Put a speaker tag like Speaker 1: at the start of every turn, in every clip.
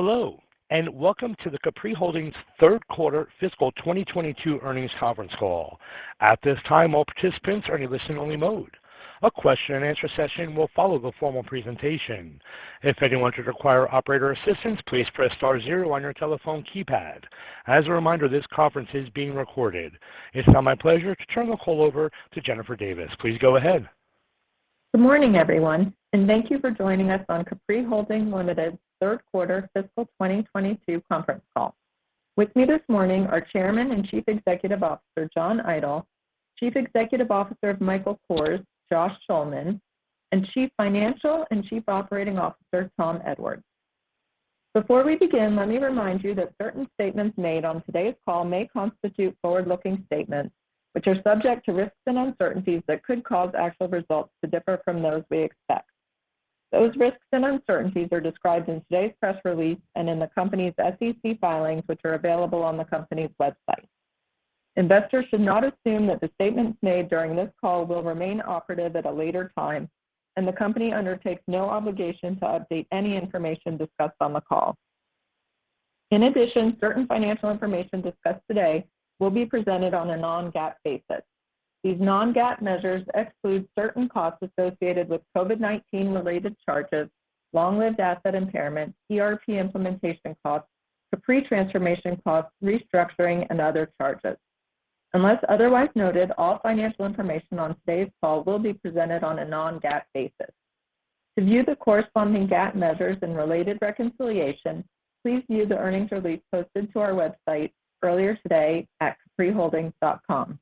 Speaker 1: Hello, and welcome to the Capri Holdings third quarter fiscal 2022 earnings conference call. At this time, all participants are in a listen only mode. A question and answer session will follow the formal presentation. If anyone should require operator assistance, please press star zero on your telephone keypad. As a reminder, this conference is being recorded. It's now my pleasure to turn the call over to Jennifer Davis. Please go ahead.
Speaker 2: Good morning, everyone, and thank you for joining us on Capri Holdings Limited third quarter fiscal 2022 conference call. With me this morning are Chairman and Chief Executive Officer John D. Idol, Chief Executive Officer of Michael Kors Joshua Schulman, and Chief Financial and Chief Operating Officer Thomas J. Edwards, Jr. Before we begin, let me remind you that certain statements made on today's call may constitute forward-looking statements, which are subject to risks and uncertainties that could cause actual results to differ from those we expect. Those risks and uncertainties are described in today's press release and in the company's SEC filings, which are available on the company's website. Investors should not assume that the statements made during this call will remain operative at a later time, and the company undertakes no obligation to update any information discussed on the call. In addition, certain financial information discussed today will be presented on a non-GAAP basis. These non-GAAP measures exclude certain costs associated with COVID-19 related charges, long-lived asset impairment, ERP implementation costs, Capri transformation costs, restructuring, and other charges. Unless otherwise noted, all financial information on today's call will be presented on a non-GAAP basis. To view the corresponding GAAP measures and related reconciliation, please view the earnings release posted to our website earlier today at capriholdings.com.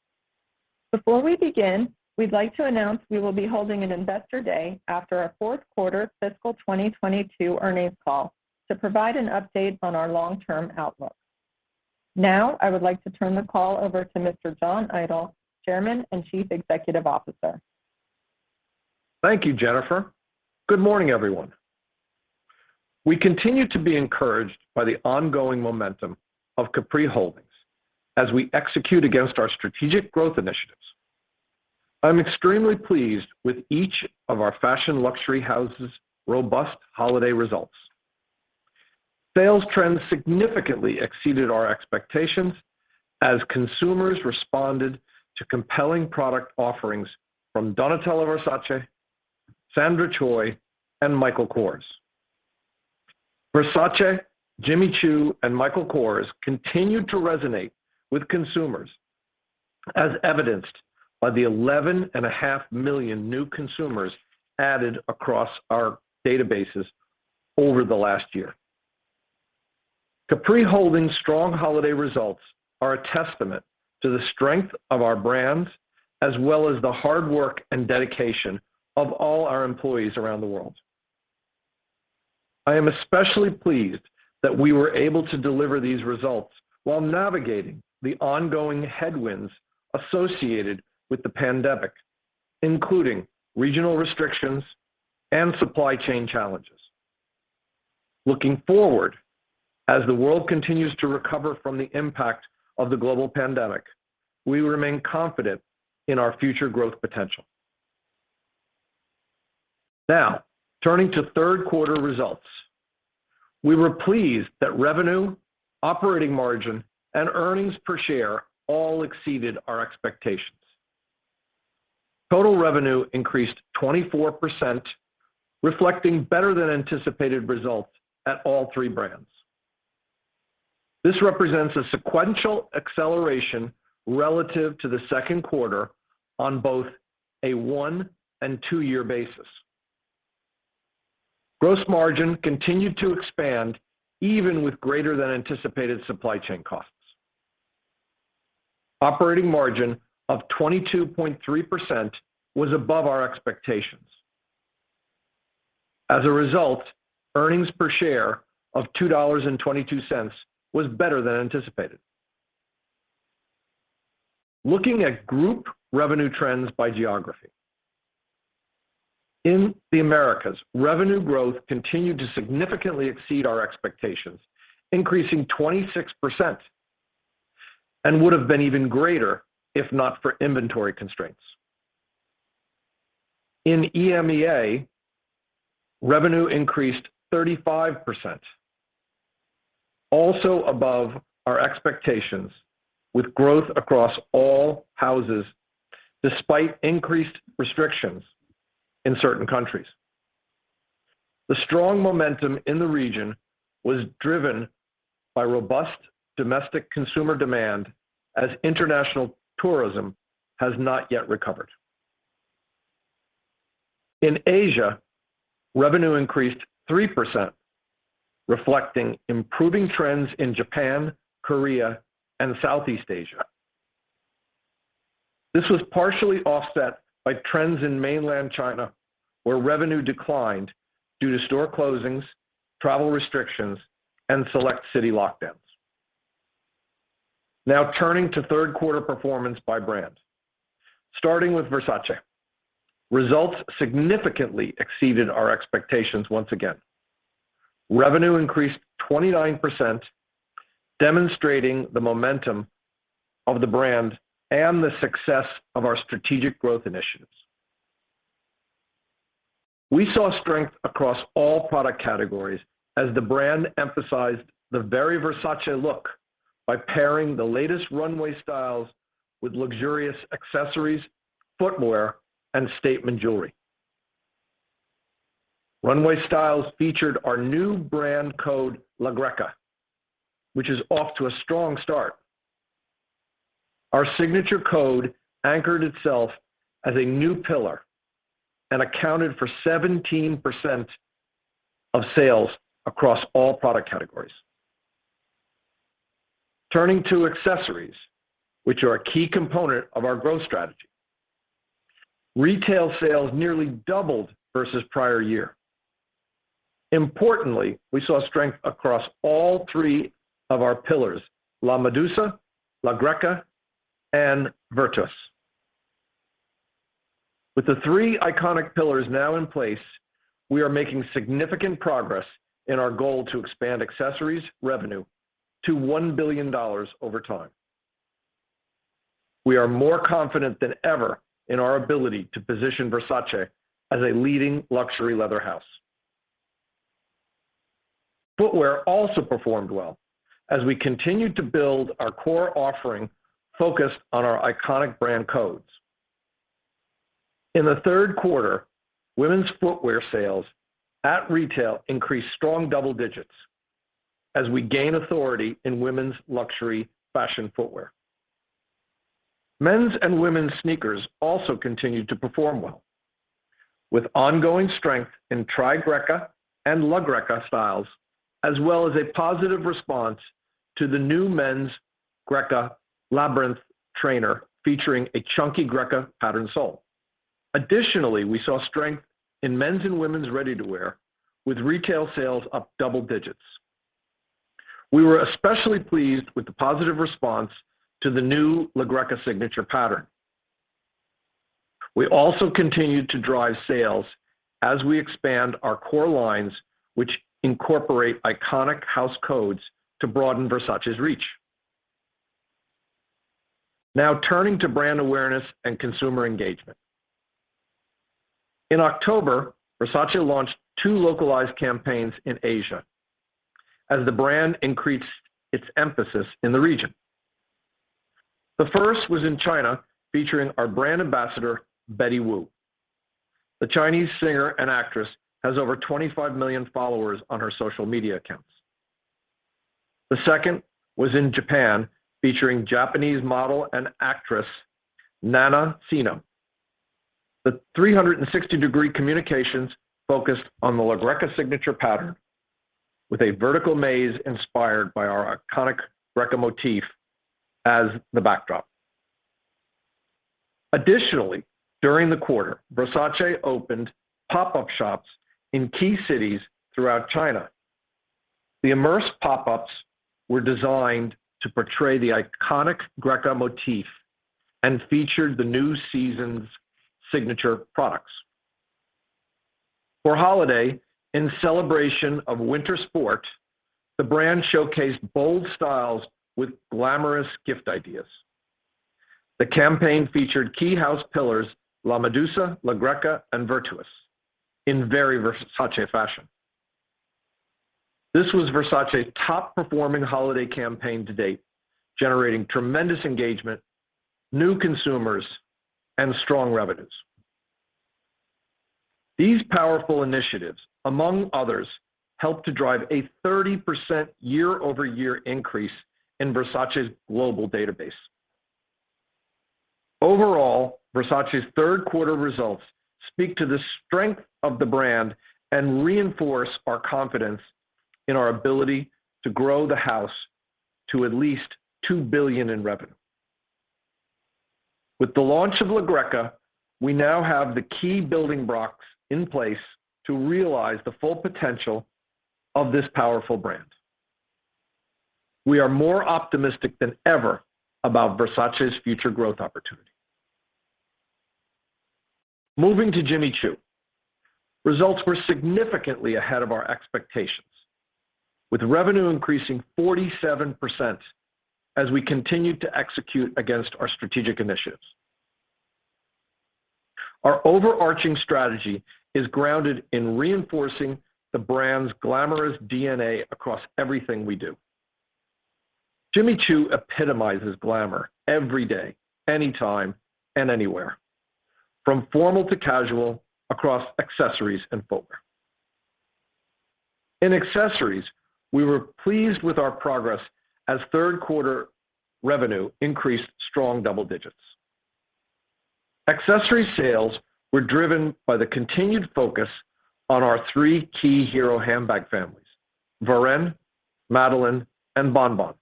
Speaker 2: Before we begin, we'd like to announce we will be holding an Investor Day after our fourth quarter fiscal 2022 earnings call to provide an update on our long-term outlook. Now, I would like to turn the call over to Mr. John D. Idol, Chairman and Chief Executive Officer.
Speaker 3: Thank you, Jennifer. Good morning, everyone. We continue to be encouraged by the ongoing momentum of Capri Holdings as we execute against our strategic growth initiatives. I'm extremely pleased with each of our fashion luxury houses' robust holiday results. Sales trends significantly exceeded our expectations as consumers responded to compelling product offerings from Donatella Versace, Sandra Choi, and Michael Kors. Versace, Jimmy Choo, and Michael Kors continued to resonate with consumers, as evidenced by the 11.5 million new consumers added across our databases over the last year. Capri Holdings' strong holiday results are a testament to the strength of our brands, as well as the hard work and dedication of all our employees around the world. I am especially pleased that we were able to deliver these results while navigating the ongoing headwinds associated with the pandemic, including regional restrictions and supply chain challenges. Looking forward, as the world continues to recover from the impact of the global pandemic, we remain confident in our future growth potential. Now, turning to third quarter results. We were pleased that revenue, operating margin, and earnings per share all exceeded our expectations. Total revenue increased 24%, reflecting better than anticipated results at all three brands. This represents a sequential acceleration relative to the second quarter on both a one- and two-year basis. Gross margin continued to expand even with greater than anticipated supply chain costs. Operating margin of 22.3% was above our expectations. As a result, earnings per share of $2.22 was better than anticipated. Looking at group revenue trends by geography. In the Americas, revenue growth continued to significantly exceed our expectations, increasing 26%, and would have been even greater if not for inventory constraints. In EMEA, revenue increased 35%, also above our expectations with growth across all houses, despite increased restrictions in certain countries. The strong momentum in the region was driven by robust domestic consumer demand as international tourism has not yet recovered. In Asia, revenue increased 3%, reflecting improving trends in Japan, Korea, and Southeast Asia. This was partially offset by trends in mainland China, where revenue declined due to store closings, travel restrictions, and select city lockdowns. Now turning to third quarter performance by brand. Starting with Versace. Results significantly exceeded our expectations once again. Revenue increased 29%, demonstrating the momentum of the brand and the success of our strategic growth initiatives. We saw strength across all product categories as the brand emphasized the very Versace look by pairing the latest runway styles with luxurious accessories, footwear, and statement jewelry. Runway styles featured our new brand code La Greca, which is off to a strong start. Our signature code anchored itself as a new pillar and accounted for 17% of sales across all product categories. Turning to accessories, which are a key component of our growth strategy. Retail sales nearly doubled versus prior year. Importantly, we saw strength across all three of our pillars, La Medusa, La Greca, and Virtus. With the three iconic pillars now in place, we are making significant progress in our goal to expand accessories revenue to $1 billion over time. We are more confident than ever in our ability to position Versace as a leading luxury leather house. Footwear also performed well as we continued to build our core offering focused on our iconic brand codes. In the third quarter, women's footwear sales at retail increased strong double digits as we gain authority in women's luxury fashion footwear. Men's and women's sneakers also continued to perform well with ongoing strength in Trigreca and La Greca styles, as well as a positive response to the new men's Greca Labyrinth trainer featuring a chunky Greca pattern sole. Additionally, we saw strength in men's and women's ready-to-wear with retail sales up double digits. We were especially pleased with the positive response to the new La Greca signature pattern. We also continued to drive sales as we expand our core lines, which incorporate iconic house codes to broaden Versace's reach. Now turning to brand awareness and consumer engagement. In October, Versace launched two localized campaigns in Asia as the brand increased its emphasis in the region. The first was in China featuring our brand ambassador Betty Wu. The Chinese singer and actress has over 25 million followers on her social media accounts. The second was in Japan featuring Japanese model and actress Nana Seino. The 360-degree communications focused on the La Greca signature pattern with a vertical maze inspired by our iconic Greca motif as the backdrop. Additionally, during the quarter, Versace opened pop-up shops in key cities throughout China. The immersive pop-ups were designed to portray the iconic Greca motif and featured the new season's signature products. For holiday, in celebration of winter sport, the brand showcased bold styles with glamorous gift ideas. The campaign featured key house pillars La Medusa, La Greca, and Virtus in very Versace fashion. This was Versace's top performing holiday campaign to date, generating tremendous engagement, new consumers, and strong revenues. These powerful initiatives, among others, helped to drive a 30% year-over-year increase in Versace's global database. Overall, Versace's third quarter results speak to the strength of the brand and reinforce our confidence in our ability to grow the house to at least $2 billion in revenue. With the launch of La Greca, we now have the key building blocks in place to realize the full potential of this powerful brand. We are more optimistic than ever about Versace's future growth opportunity. Moving to Jimmy Choo. Results were significantly ahead of our expectations, with revenue increasing 47% as we continued to execute against our strategic initiatives. Our overarching strategy is grounded in reinforcing the brand's glamorous DNA across everything we do. Jimmy Choo epitomizes glamour every day, anytime, and anywhere, from formal to casual across accessories and footwear. In accessories, we were pleased with our progress as third quarter revenue increased strong double digits. Accessory sales were driven by the continued focus on our three key hero handbag families, Varenne, Madeline, and Bon Bon.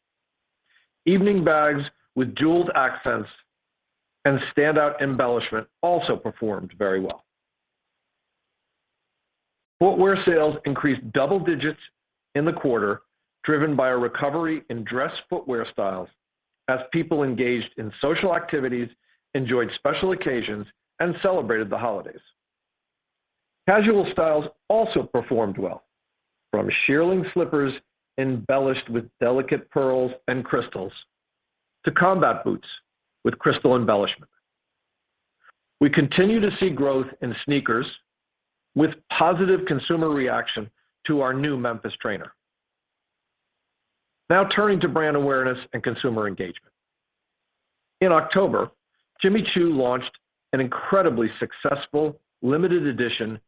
Speaker 3: Evening bags with jeweled accents and standout embellishment also performed very well. Footwear sales increased double digits in the quarter, driven by a recovery in dress footwear styles as people engaged in social activities, enjoyed special occasions, and celebrated the holidays. Casual styles also performed well from shearling slippers embellished with delicate pearls and crystals to combat boots with crystal embellishment. We continue to see growth in sneakers with positive consumer reaction to our new Memphis trainer. Now turning to brand awareness and consumer engagement. In October, Jimmy Choo launched an incredibly successful limited edition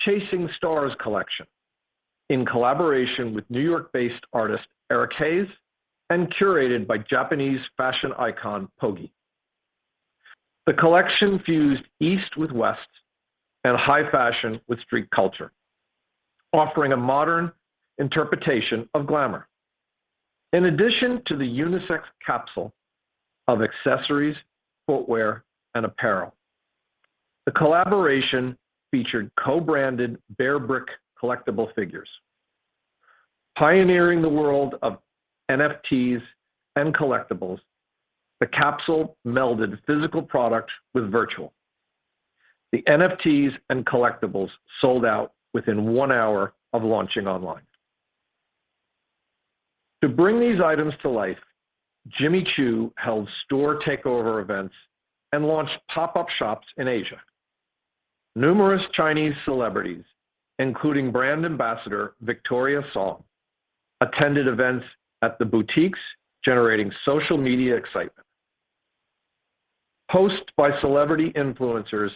Speaker 3: Chasing Stars collection in collaboration with New York-based artist, Eric Haze, and curated by Japanese fashion icon, Poggy. The collection fused East with West and high fashion with street culture, offering a modern interpretation of glamour. In addition to the unisex capsule of accessories, footwear, and apparel, the collaboration featured co-branded Bearbrick collectible figures. Pioneering the world of NFTs and collectibles, the capsule melded physical product with virtual. The NFTs and collectibles sold out within one hour of launching online. To bring these items to life, Jimmy Choo held store takeover events and launched pop-up shops in Asia. Numerous Chinese celebrities, including brand ambassador Victoria Song, attended events at the boutiques, generating social media excitement. Posts by celebrity influencers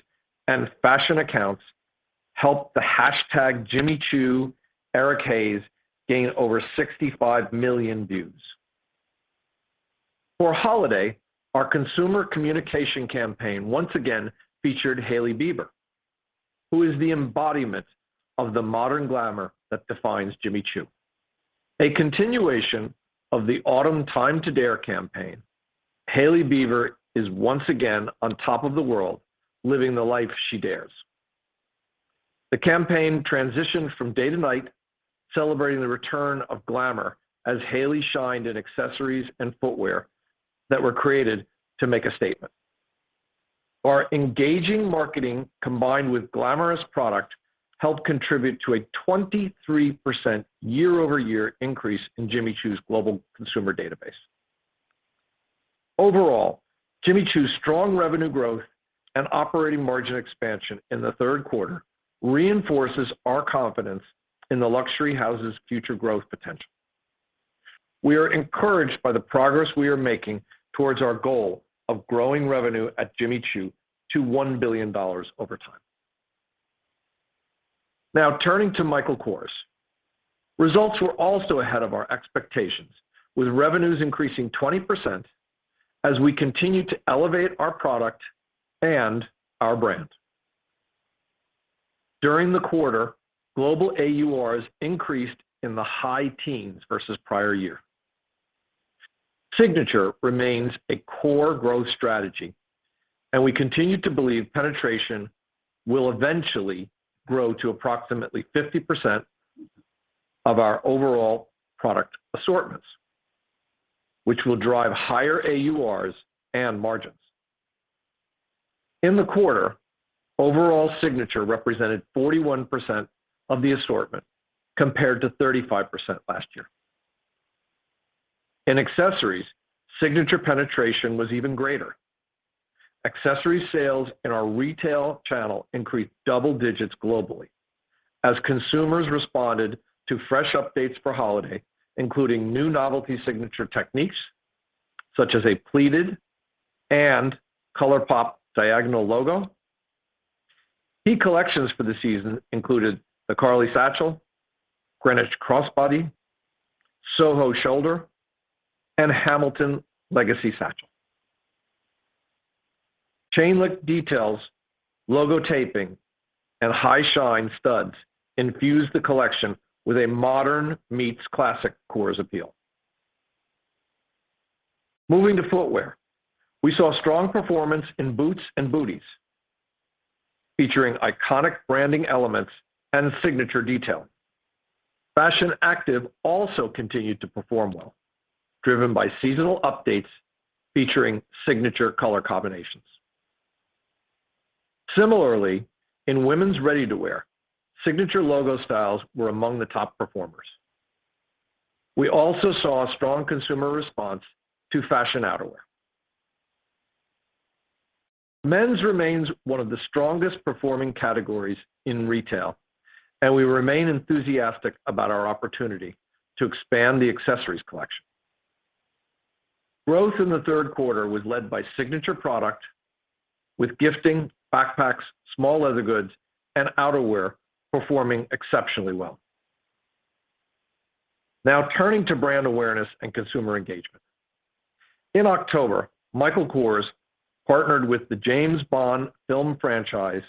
Speaker 3: and fashion accounts helped the hashtag Jimmy Choo Eric Haze gain over 65 million views. For holiday, our consumer communication campaign once again featured Hailey Bieber, who is the embodiment of the modern glamour that defines Jimmy Choo. A continuation of the autumn Time To Dare campaign, Hailey Bieber is once again on top of the world, living the life she dares. The campaign transitioned from day to night, celebrating the return of glamour as Hailey shined in accessories and footwear that were created to make a statement. Our engaging marketing combined with glamorous product helped contribute to a 23% year-over-year increase in Jimmy Choo's global consumer database. Overall, Jimmy Choo's strong revenue growth and operating margin expansion in the third quarter reinforces our confidence in the luxury house's future growth potential. We are encouraged by the progress we are making towards our goal of growing revenue at Jimmy Choo to $1 billion over time. Now, turning to Michael Kors. Results were also ahead of our expectations, with revenues increasing 20% as we continue to elevate our product and our brand. During the quarter, global AURs increased in the high teens versus prior year. Signature remains a core growth strategy, and we continue to believe penetration will eventually grow to approximately 50% of our overall product assortments, which will drive higher AURs and margins. In the quarter, overall signature represented 41% of the assortment, compared to 35% last year. In accessories, signature penetration was even greater. Accessory sales in our retail channel increased double digits globally as consumers responded to fresh updates for holiday, including new novelty signature techniques such as a pleated and color pop diagonal logo. Key collections for the season included the Karlie Satchel, Greenwich Crossbody, Soho Shoulder, and Hamilton Legacy Satchel. Chain-link details, logo taping, and high-shine studs infused the collection with a modern meets classic Kors appeal. Moving to footwear, we saw strong performance in boots and booties featuring iconic branding elements and signature detailing. Fashion active also continued to perform well, driven by seasonal updates featuring signature color combinations. Similarly, in women's ready-to-wear, signature logo styles were among the top performers. We also saw a strong consumer response to fashion outerwear. Men's remains one of the strongest performing categories in retail, and we remain enthusiastic about our opportunity to expand the accessories collection. Growth in the third quarter was led by signature product with gifting, backpacks, small leather goods, and outerwear performing exceptionally well. Now turning to brand awareness and consumer engagement. In October, Michael Kors partnered with the James Bond film franchise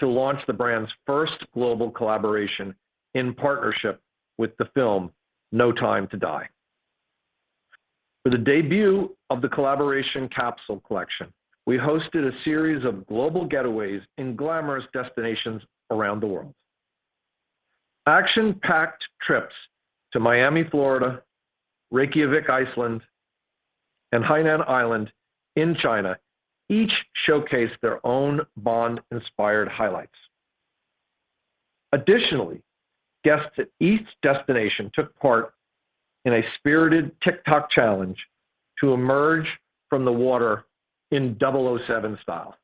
Speaker 3: to launch the brand's first global collaboration in partnership with the film No Time to Die. For the debut of the collaboration capsule collection, we hosted a series of global getaways in glamorous destinations around the world. Action-packed trips to Miami, Florida, Reykjavik, Iceland and Hainan Island in China each showcase their own Bond-inspired highlights. Additionally, guests at each destination took part in a spirited TikTok challenge to emerge from the water in double o seven style.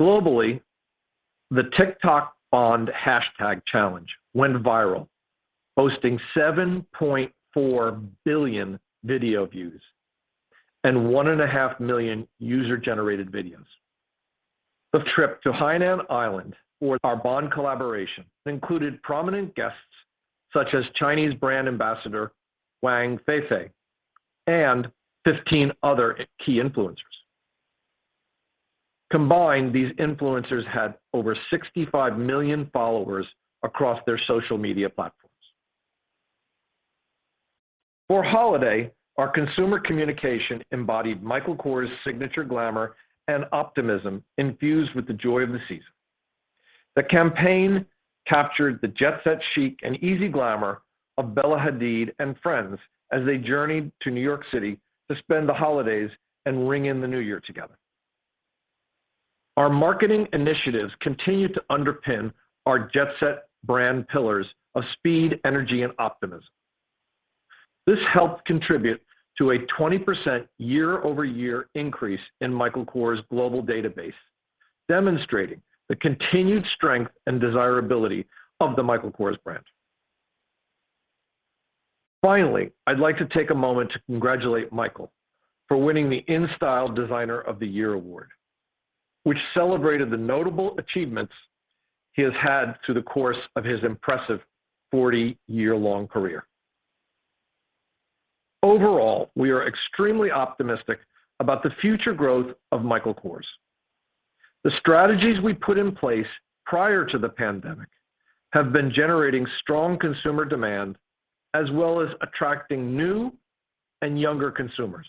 Speaker 3: Globally, the TikTok Bond hashtag challenge went viral, posting 7.4 billion video views and 1.5 million user-generated videos. The trip to Hainan Island for our Bond collaboration included prominent guests such as Chinese brand ambassador Wang Feifei and 15 other key influencers. Combined, these influencers had over 65 million followers across their social media platforms. For holiday, our consumer communication embodied Michael Kors' signature glamour and optimism infused with the joy of the season. The campaign captured the jet-set chic and easy glamour of Bella Hadid and friends as they journeyed to New York City to spend the holidays and ring in the new year together. Our marketing initiatives continue to underpin our jet set brand pillars of speed, energy and optimism. This helped contribute to a 20% year-over-year increase in Michael Kors global database, demonstrating the continued strength and desirability of the Michael Kors brand. Finally, I'd like to take a moment to congratulate Michael for winning the InStyle Designer of the Year Award, which celebrated the notable achievements he has had through the course of his impressive 40-year-long career. Overall, we are extremely optimistic about the future growth of Michael Kors. The strategies we put in place prior to the pandemic have been generating strong consumer demand as well as attracting new and younger consumers.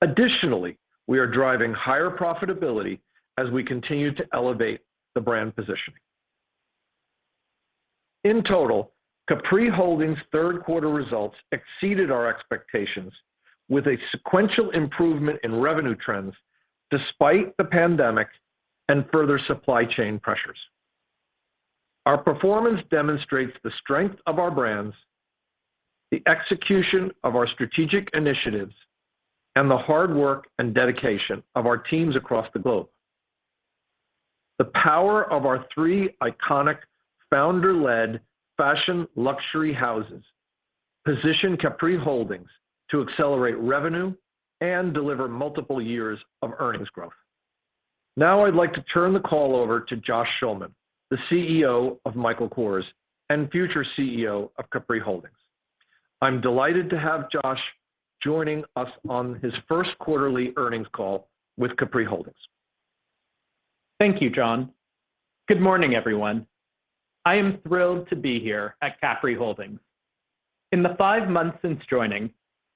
Speaker 3: Additionally, we are driving higher profitability as we continue to elevate the brand positioning. In total, Capri Holdings' third quarter results exceeded our expectations with a sequential improvement in revenue trends despite the pandemic and further supply chain pressures. Our performance demonstrates the strength of our brands, the execution of our strategic initiatives, and the hard work and dedication of our teams across the globe. The power of our three iconic founder-led fashion luxury houses position Capri Holdings to accelerate revenue and deliver multiple years of earnings growth. Now, I'd like to turn the call over to Josh Schulman, the CEO of Michael Kors and future CEO of Capri Holdings. I'm delighted to have Josh joining us on his first quarterly earnings call with Capri Holdings.
Speaker 4: Thank you, John. Good morning, everyone. I am thrilled to be here at Capri Holdings. In the five months since joining,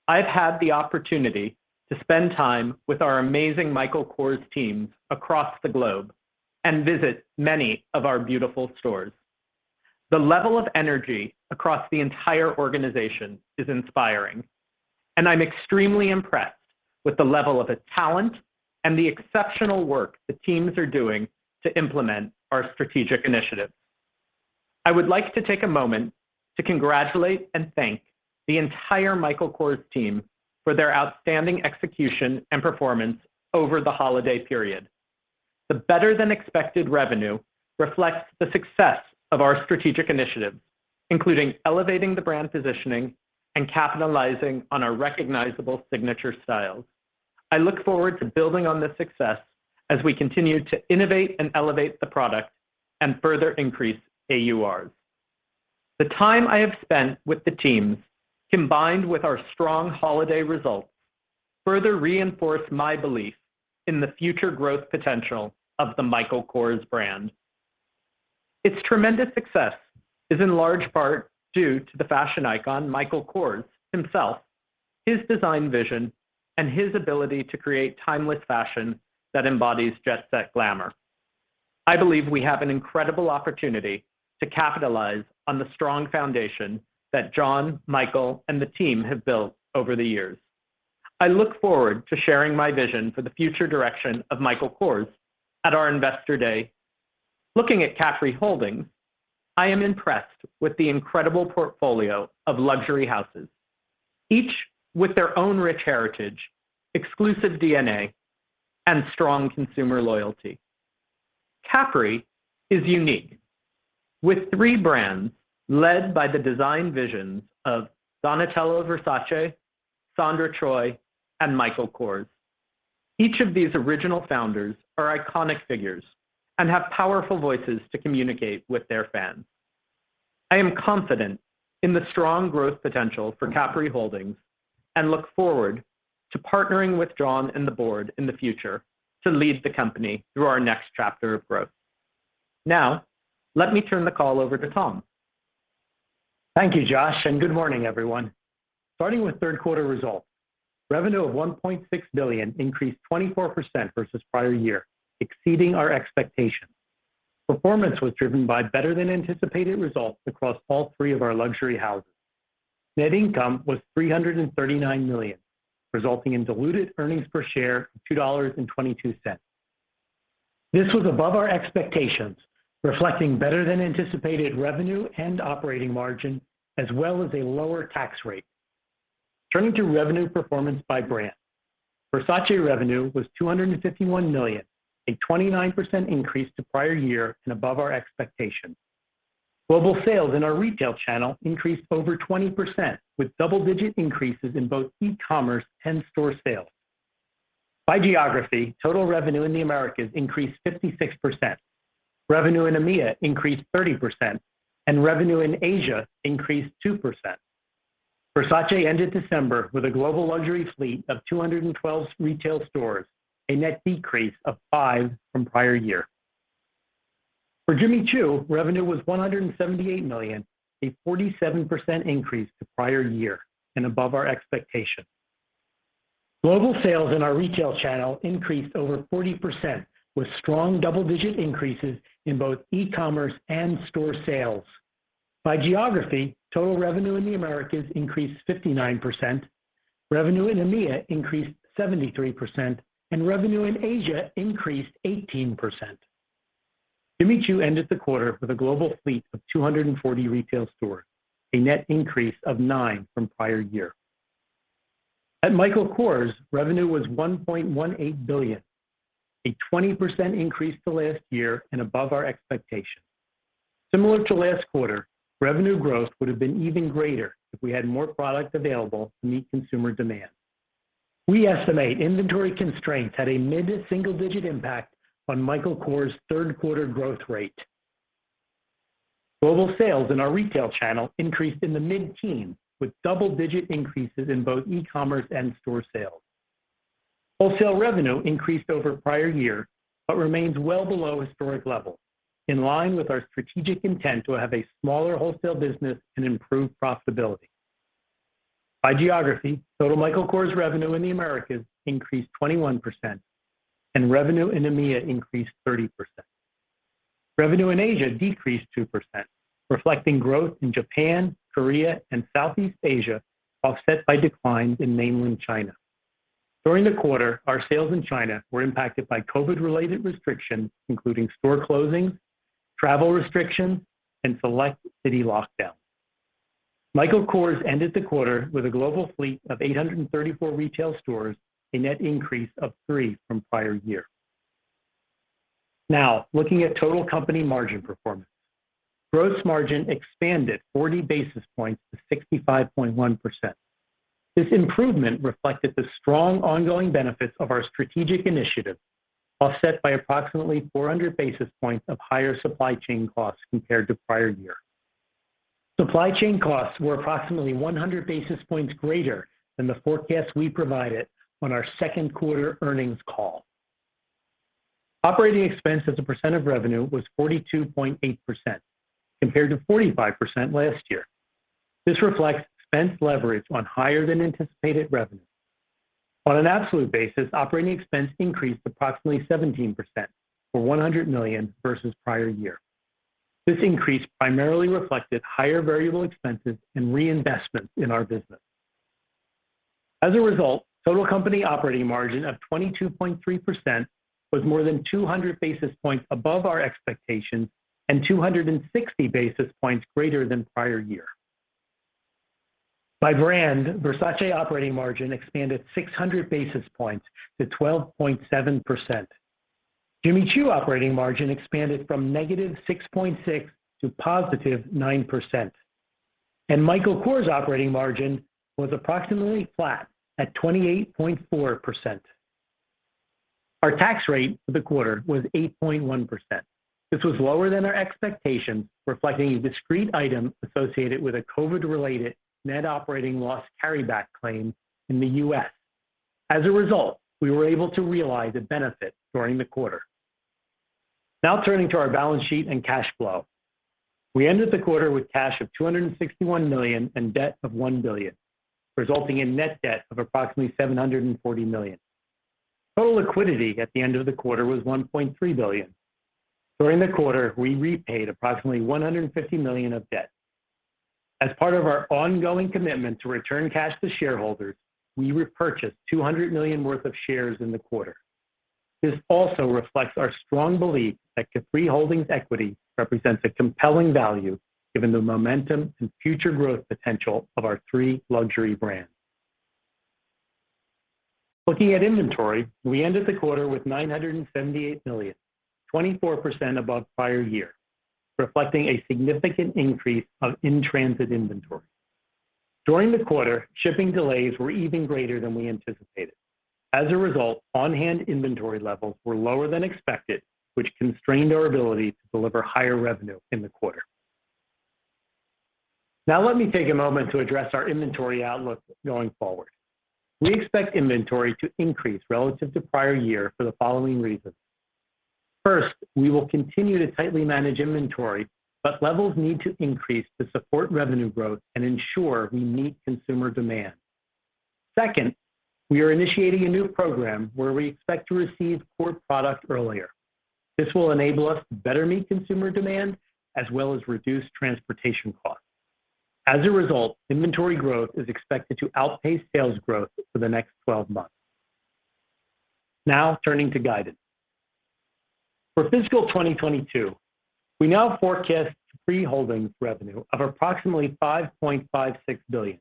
Speaker 4: I've had the opportunity to spend time with our amazing Michael Kors teams across the globe and visit many of our beautiful stores. The level of energy across the entire organization is inspiring, and I'm extremely impressed with the level of talent and the exceptional work the teams are doing to implement our strategic initiatives. I would like to take a moment to congratulate and thank the entire Michael Kors team for their outstanding execution and performance over the holiday period. The better-than-expected revenue reflects the success of our strategic initiatives, including elevating the brand positioning and capitalizing on our recognizable signature styles. I look forward to building on this success as we continue to innovate and elevate the product and further increase AURs. The time I have spent with the teams, combined with our strong holiday results, further reinforce my belief in the future growth potential of the Michael Kors brand. Its tremendous success is in large part due to the fashion icon Michael Kors himself, his design vision, and his ability to create timeless fashion that embodies jet set glamour. I believe we have an incredible opportunity to capitalize on the strong foundation that John, Michael, and the team have built over the years. I look forward to sharing my vision for the future direction of Michael Kors at our Investor Day. Looking at Capri Holdings, I am impressed with the incredible portfolio of luxury houses, each with their own rich heritage, exclusive DNA, and strong consumer loyalty. Capri is unique, with three brands led by the design visions of Donatella Versace, Sandra Choi, and Michael Kors. Each of these original founders are iconic figures and have powerful voices to communicate with their fans. I am confident in the strong growth potential for Capri Holdings and look forward to partnering with John and the board in the future to lead the company through our next chapter of growth. Now, let me turn the call over to Tom.
Speaker 5: Thank you, Josh, and good morning everyone. Starting with third quarter results. Revenue of $1.6 billion increased 24% versus prior year, exceeding our expectations. Performance was driven by better than anticipated results across all three of our luxury houses. Net income was $339 million, resulting in diluted earnings per share of $2.22. This was above our expectations, reflecting better than anticipated revenue and operating margin, as well as a lower tax rate. Turning to revenue performance by brand. Versace revenue was $251 million, a 29% increase to prior year and above our expectations. Global sales in our retail channel increased over 20% with double-digit increases in both e-commerce and store sales. By geography, total revenue in the Americas increased 56%. Revenue in EMEA increased 30%, and revenue in Asia increased 2%. Versace ended December with a global luxury fleet of 212 retail stores, a net decrease of five from prior year. For Jimmy Choo, revenue was $178 million, a 47% increase to prior year and above our expectations. Global sales in our retail channel increased over 40% with strong double-digit increases in both e-commerce and store sales. By geography, total revenue in the Americas increased 59%. Revenue in EMEA increased 73%, and revenue in Asia increased 18%. Jimmy Choo ended the quarter with a global fleet of 240 retail stores, a net increase of nine from prior year. At Michael Kors, revenue was $1.18 billion, a 20% increase to last year and above our expectations. Similar to last quarter, revenue growth would have been even greater if we had more product available to meet consumer demand. We estimate inventory constraints had a mid- to single-digit impact on Michael Kors' third quarter growth rate. Global sales in our retail channel increased in the mid-teens, with double-digit increases in both e-commerce and store sales. Wholesale revenue increased over prior year, but remains well below historic levels, in line with our strategic intent to have a smaller wholesale business and improve profitability. By geography, total Michael Kors revenue in the Americas increased 21%, and revenue in EMEA increased 30%. Revenue in Asia decreased 2%, reflecting growth in Japan, Korea, and Southeast Asia, offset by declines in Mainland China. During the quarter, our sales in China were impacted by COVID-related restrictions, including store closings, travel restrictions, and select city lockdowns. Michael Kors ended the quarter with a global fleet of 834 retail stores, a net increase of three from prior year. Now, looking at total company margin performance. Gross margin expanded 40 basis points to 65.1%. This improvement reflected the strong ongoing benefits of our strategic initiative, offset by approximately 400 basis points of higher supply chain costs compared to prior year. Supply chain costs were approximately 100 basis points greater than the forecast we provided on our second quarter earnings call. Operating expense as a percent of revenue was 42.8%, compared to 45% last year. This reflects expense leverage on higher than anticipated revenue. On an absolute basis, operating expense increased approximately 17% or $100 million versus prior year. This increase primarily reflected higher variable expenses and reinvestments in our business. As a result, total company operating margin of 22.3% was more than 200 basis points above our expectations and 260 basis points greater than prior year. By brand, Versace operating margin expanded 600 basis points to 12.7%. Jimmy Choo operating margin expanded from negative 6.6 to positive 9%. Michael Kors operating margin was approximately flat at 28.4%. Our tax rate for the quarter was 8.1%. This was lower than our expectations, reflecting a discrete item associated with a COVID-related net operating loss carryback claim in the US. As a result, we were able to realize a benefit during the quarter. Now turning to our balance sheet and cash flow. We ended the quarter with cash of $261 million and debt of $1 billion, resulting in net debt of approximately $740 million. Total liquidity at the end of the quarter was $1.3 billion. During the quarter, we repaid approximately $150 million of debt. As part of our ongoing commitment to return cash to shareholders, we repurchased $200 million worth of shares in the quarter. This also reflects our strong belief that Capri Holdings equity represents a compelling value given the momentum and future growth potential of our three luxury brands. Looking at inventory, we ended the quarter with $978 million, 24% above prior year, reflecting a significant increase of in-transit inventory. During the quarter, shipping delays were even greater than we anticipated. As a result, on-hand inventory levels were lower than expected, which constrained our ability to deliver higher revenue in the quarter. Now let me take a moment to address our inventory outlook going forward. We expect inventory to increase relative to prior year for the following reasons. First, we will continue to tightly manage inventory, but levels need to increase to support revenue growth and ensure we meet consumer demand. Second, we are initiating a new program where we expect to receive core product earlier. This will enable us to better meet consumer demand as well as reduce transportation costs. As a result, inventory growth is expected to outpace sales growth for the next 12 months. Now turning to guidance. For fiscal 2022, we now forecast Capri Holdings revenue of approximately $5.56 billion,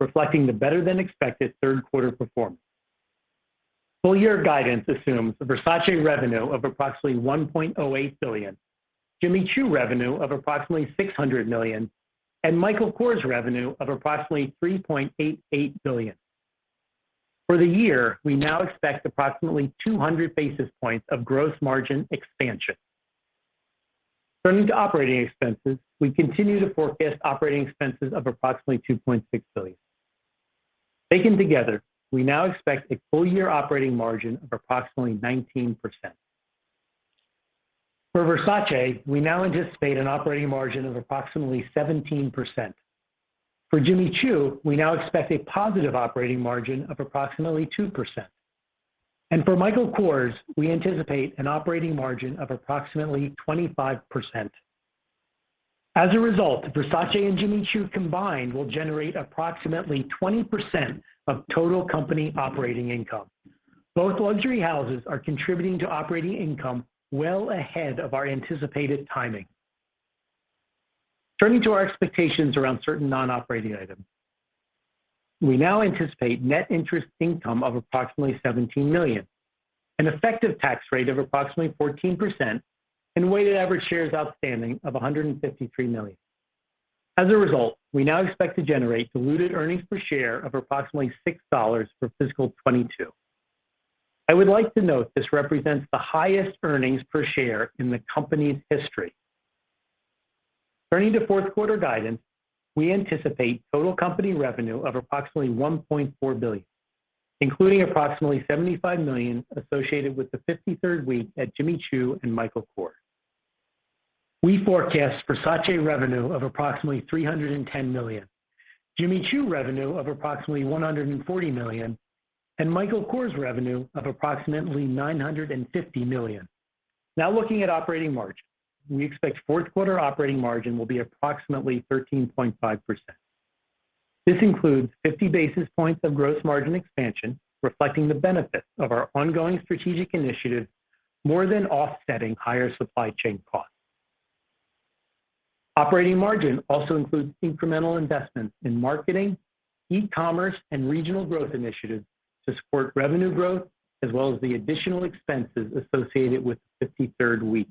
Speaker 5: reflecting the better-than-expected third quarter performance. Full year guidance assumes a Versace revenue of approximately $1.08 billion, Jimmy Choo revenue of approximately $600 million, and Michael Kors revenue of approximately $3.88 billion. For the year, we now expect approximately 200 basis points of gross margin expansion. Turning to operating expenses, we continue to forecast operating expenses of approximately $2.6 billion. Taken together, we now expect a full year operating margin of approximately 19%. For Versace, we now anticipate an operating margin of approximately 17%. For Jimmy Choo, we now expect a positive operating margin of approximately 2%. For Michael Kors, we anticipate an operating margin of approximately 25%. As a result, Versace and Jimmy Choo combined will generate approximately 20% of total company operating income. Both luxury houses are contributing to operating income well ahead of our anticipated timing. Turning to our expectations around certain non-operating items. We now anticipate net interest income of approximately $17 million, an effective tax rate of approximately 14%, and weighted average shares outstanding of 153 million. As a result, we now expect to generate diluted earnings per share of approximately $6 for fiscal 2022. I would like to note this represents the highest earnings per share in the company's history. Turning to fourth quarter guidance, we anticipate total company revenue of approximately $1.4 billion, including approximately $75 million associated with the fifty-third week at Jimmy Choo and Michael Kors. We forecast Versace revenue of approximately $310 million, Jimmy Choo revenue of approximately $140 million, and Michael Kors revenue of approximately $950 million. Now looking at operating margin. We expect fourth quarter operating margin will be approximately 13.5%. This includes 50 basis points of gross margin expansion, reflecting the benefits of our ongoing strategic initiatives more than offsetting higher supply chain costs. Operating margin also includes incremental investments in marketing, e-commerce, and regional growth initiatives to support revenue growth as well as the additional expenses associated with the fifty-third week.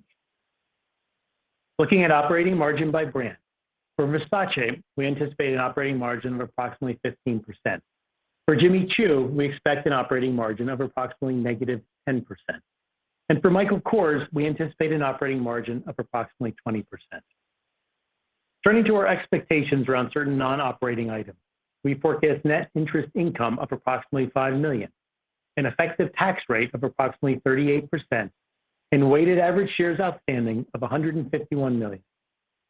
Speaker 5: Looking at operating margin by brand. For Versace, we anticipate an operating margin of approximately 15%. For Jimmy Choo, we expect an operating margin of approximately -10%. For Michael Kors, we anticipate an operating margin of approximately 20%. Turning to our expectations around certain non-operating items. We forecast net interest income of approximately $5 million, an effective tax rate of approximately 38%, and weighted average shares outstanding of 151 million.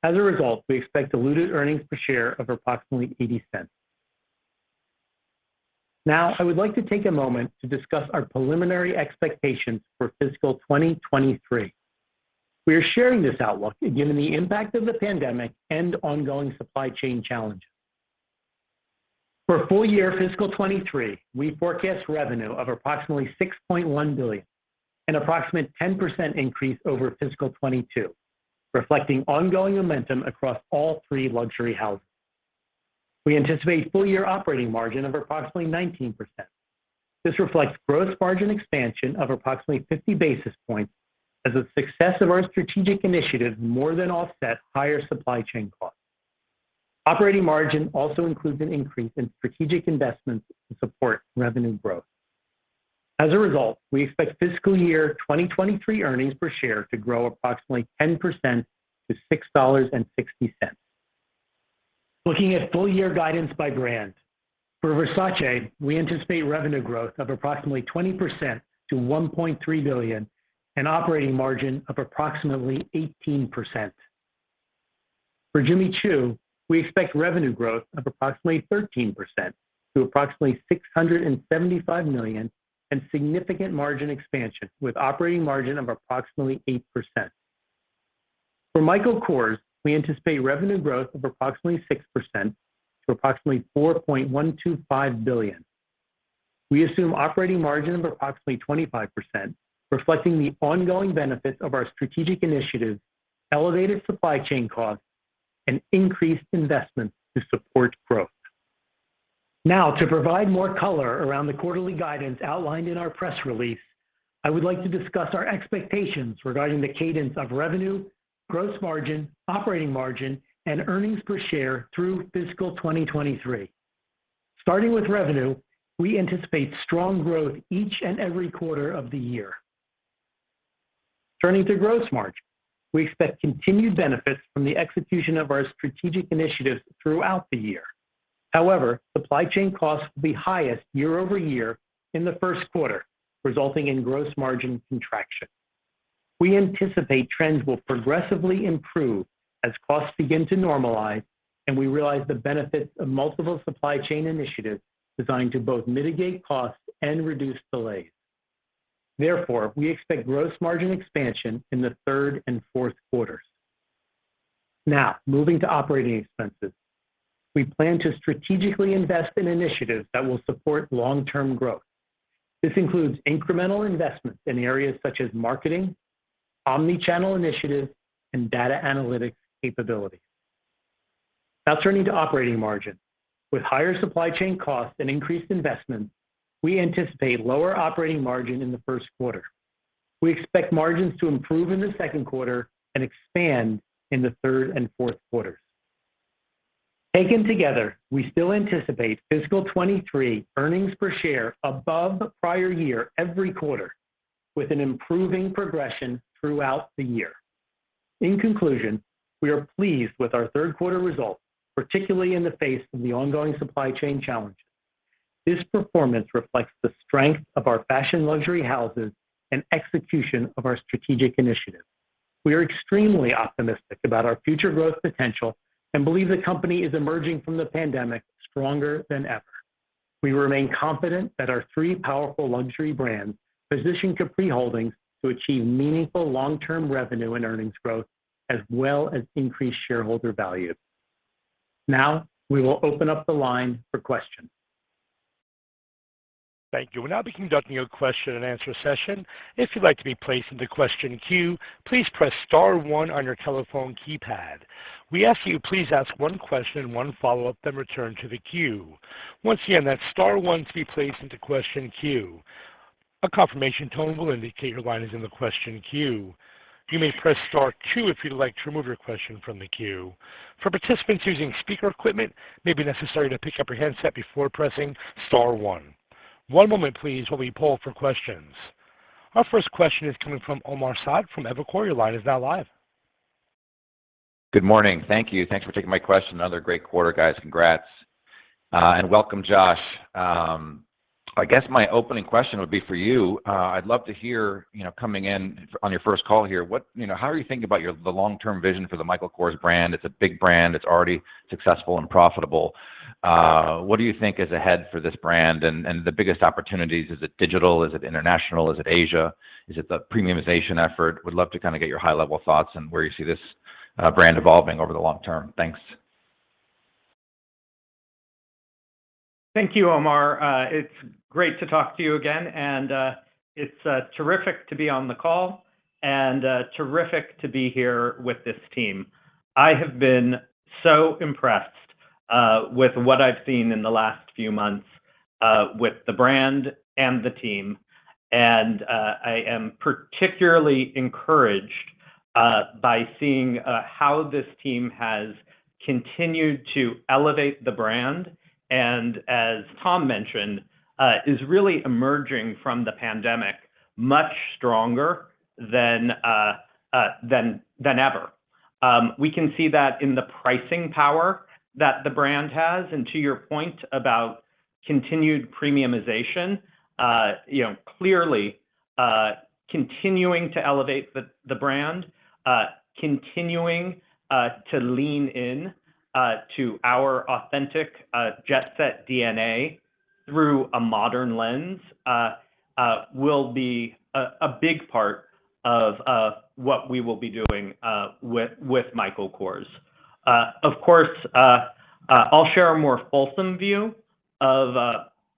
Speaker 5: As a result, we expect diluted earnings per share of approximately $0.80. Now I would like to take a moment to discuss our preliminary expectations for fiscal 2023. We are sharing this outlook given the impact of the pandemic and ongoing supply chain challenges. For full-year fiscal 2023, we forecast revenue of approximately $6.1 billion, an approximate 10% increase over fiscal 2022, reflecting ongoing momentum across all three luxury houses. We anticipate full-year operating margin of approximately 19%. This reflects gross margin expansion of approximately 50 basis points as the success of our strategic initiatives more than offset higher supply chain costs. Operating margin also includes an increase in strategic investments to support revenue growth. As a result, we expect fiscal 2023 earnings per share to grow approximately 10% to $6.60. Looking at full year guidance by brand. For Versace, we anticipate revenue growth of approximately 20% to $1.3 billion and operating margin of approximately 18%. For Jimmy Choo, we expect revenue growth of approximately 13% to approximately $675 million and significant margin expansion with operating margin of approximately 8%. For Michael Kors, we anticipate revenue growth of approximately 6% to approximately $4.125 billion. We assume operating margin of approximately 25%, reflecting the ongoing benefits of our strategic initiatives, elevated supply chain costs, and increased investments to support growth. Now to provide more color around the quarterly guidance outlined in our press release, I would like to discuss our expectations regarding the cadence of revenue, gross margin, operating margin, and earnings per share through fiscal 2023. Starting with revenue, we anticipate strong growth each and every quarter of the year. Turning to gross margin, we expect continued benefits from the execution of our strategic initiatives throughout the year. However, supply chain costs will be highest year-over-year in the first quarter, resulting in gross margin contraction. We anticipate trends will progressively improve as costs begin to normalize and we realize the benefits of multiple supply chain initiatives designed to both mitigate costs and reduce delays. Therefore, we expect gross margin expansion in the third and fourth quarters. Now, moving to operating expenses. We plan to strategically invest in initiatives that will support long-term growth. This includes incremental investments in areas such as marketing, omnichannel initiatives, and data analytics capabilities. Now turning to operating margin. With higher supply chain costs and increased investments, we anticipate lower operating margin in the first quarter. We expect margins to improve in the second quarter and expand in the third and fourth quarters. Taken together, we still anticipate fiscal 2023 earnings per share above the prior year every quarter, with an improving progression throughout the year. In conclusion, we are pleased with our third quarter results, particularly in the face of the ongoing supply chain challenges. This performance reflects the strength of our fashion luxury houses and execution of our strategic initiatives. We are extremely optimistic about our future growth potential and believe the company is emerging from the pandemic stronger than ever. We remain confident that our three powerful luxury brands position Capri Holdings to achieve meaningful long-term revenue and earnings growth as well as increased shareholder value. Now, we will open up the line for questions.
Speaker 1: Thank you. We'll now be conducting a question and answer session. If you'd like to be placed into question queue, please press star one on your telephone keypad. We ask you please ask one question, one follow-up, then return to the queue. Once again, that's star one to be placed into question queue. A confirmation tone will indicate your line is in the question queue. You may press star two if you'd like to remove your question from the queue. For participants using speaker equipment, it may be necessary to pick up your handset before pressing star one. One moment please while we poll for questions. Our first question is coming from Omar Saad from Evercore. Your line is now live.
Speaker 6: Good morning. Thank you. Thanks for taking my question. Another great quarter, guys. Congrats. Welcome, Josh. I guess my opening question would be for you. I'd love to hear, you know, coming in on your first call here, what, you know, how are you thinking about your, the long-term vision for the Michael Kors brand? It's a big brand. It's already successful and profitable. What do you think is ahead for this brand and the biggest opportunities? Is it digital? Is it international? Is it Asia? Is it the premiumization effort? Would love to kind of get your high-level thoughts on where you see this brand evolving over the long term. Thanks.
Speaker 4: Thank you, Omar. It's great to talk to you again, and it's terrific to be on the call and terrific to be here with this team. I have been so impressed with what I've seen in the last few months with the brand and the team. I am particularly encouraged by seeing how this team has continued to elevate the brand and, as Tom mentioned, is really emerging from the pandemic much stronger than ever. We can see that in the pricing power that the brand has, and to your point about continued premiumization, you know, clearly, continuing to elevate the brand, continuing to lean in to our authentic jet set DNA through a modern lens, will be a big part of what we will be doing with Michael Kors. Of course, I'll share a more fulsome view of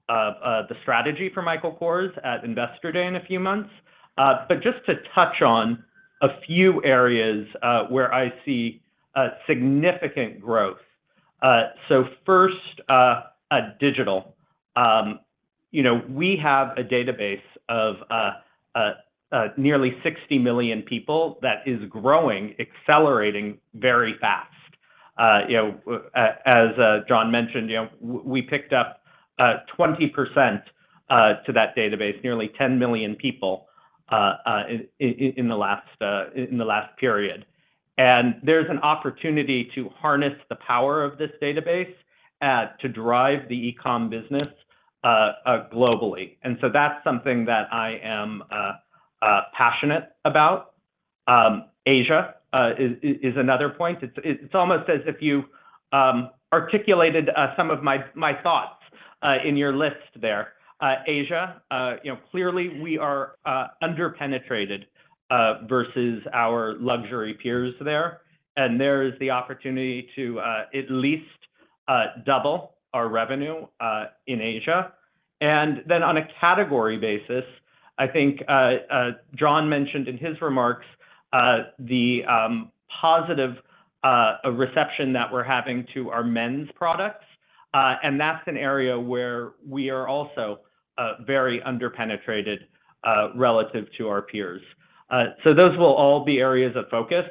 Speaker 4: the strategy for Michael Kors at Investor Day in a few months. But just to touch on a few areas where I see significant growth. So first, digital. You know, we have a database of nearly 60 million people that is growing, accelerating very fast. You know, as John Idol mentioned, you know, we picked up 20% to that database, nearly 10 million people in the last period. There's an opportunity to harness the power of this database to drive the e-com business globally. That's something that I am passionate about. Asia is another point. It's almost as if you articulated some of my thoughts in your list there. Asia, you know, clearly we are under-penetrated versus our luxury peers there. There is the opportunity to at least double our revenue in Asia. On a category basis, I think John mentioned in his remarks the positive reception that we're having to our men's products, and that's an area where we are also very under-penetrated relative to our peers. Those will all be areas of focus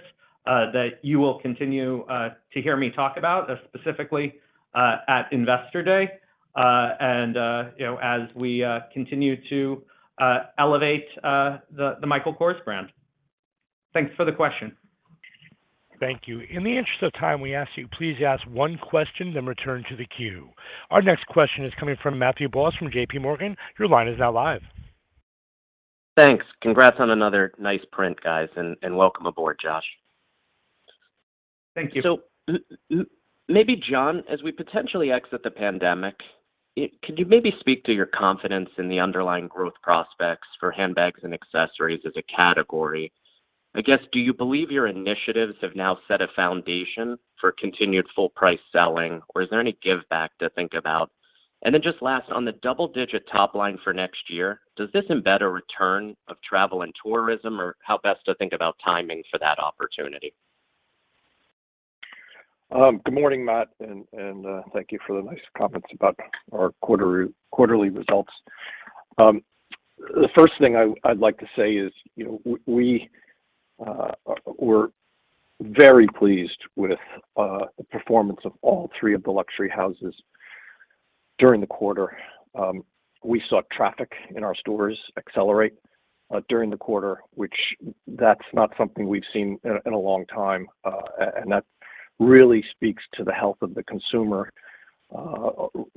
Speaker 4: that you will continue to hear me talk about, specifically at Investor Day, and you know, as we continue to elevate the Michael Kors brand.
Speaker 3: Thanks for the question.
Speaker 1: Thank you. In the interest of time, we ask you please ask one question, then return to the queue. Our next question is coming from Matthew Boss from JPMorgan. Your line is now live.
Speaker 7: Thanks. Congrats on another nice print, guys. Welcome aboard, Josh.
Speaker 4: Thank you.
Speaker 7: Maybe John, as we potentially exit the pandemic, could you maybe speak to your confidence in the underlying growth prospects for handbags and accessories as a category? I guess, do you believe your initiatives have now set a foundation for continued full price selling, or is there any give back to think about? Just last, on the double digit top line for next year, does this embed a return of travel and tourism, or how best to think about timing for that opportunity?
Speaker 3: Good morning, Matt, thank you for the nice comments about our quarterly results. The first thing I'd like to say is, you know, we were very pleased with the performance of all three of the luxury houses during the quarter. We saw traffic in our stores accelerate during the quarter, which that's not something we've seen in a long time, and that really speaks to the health of the consumer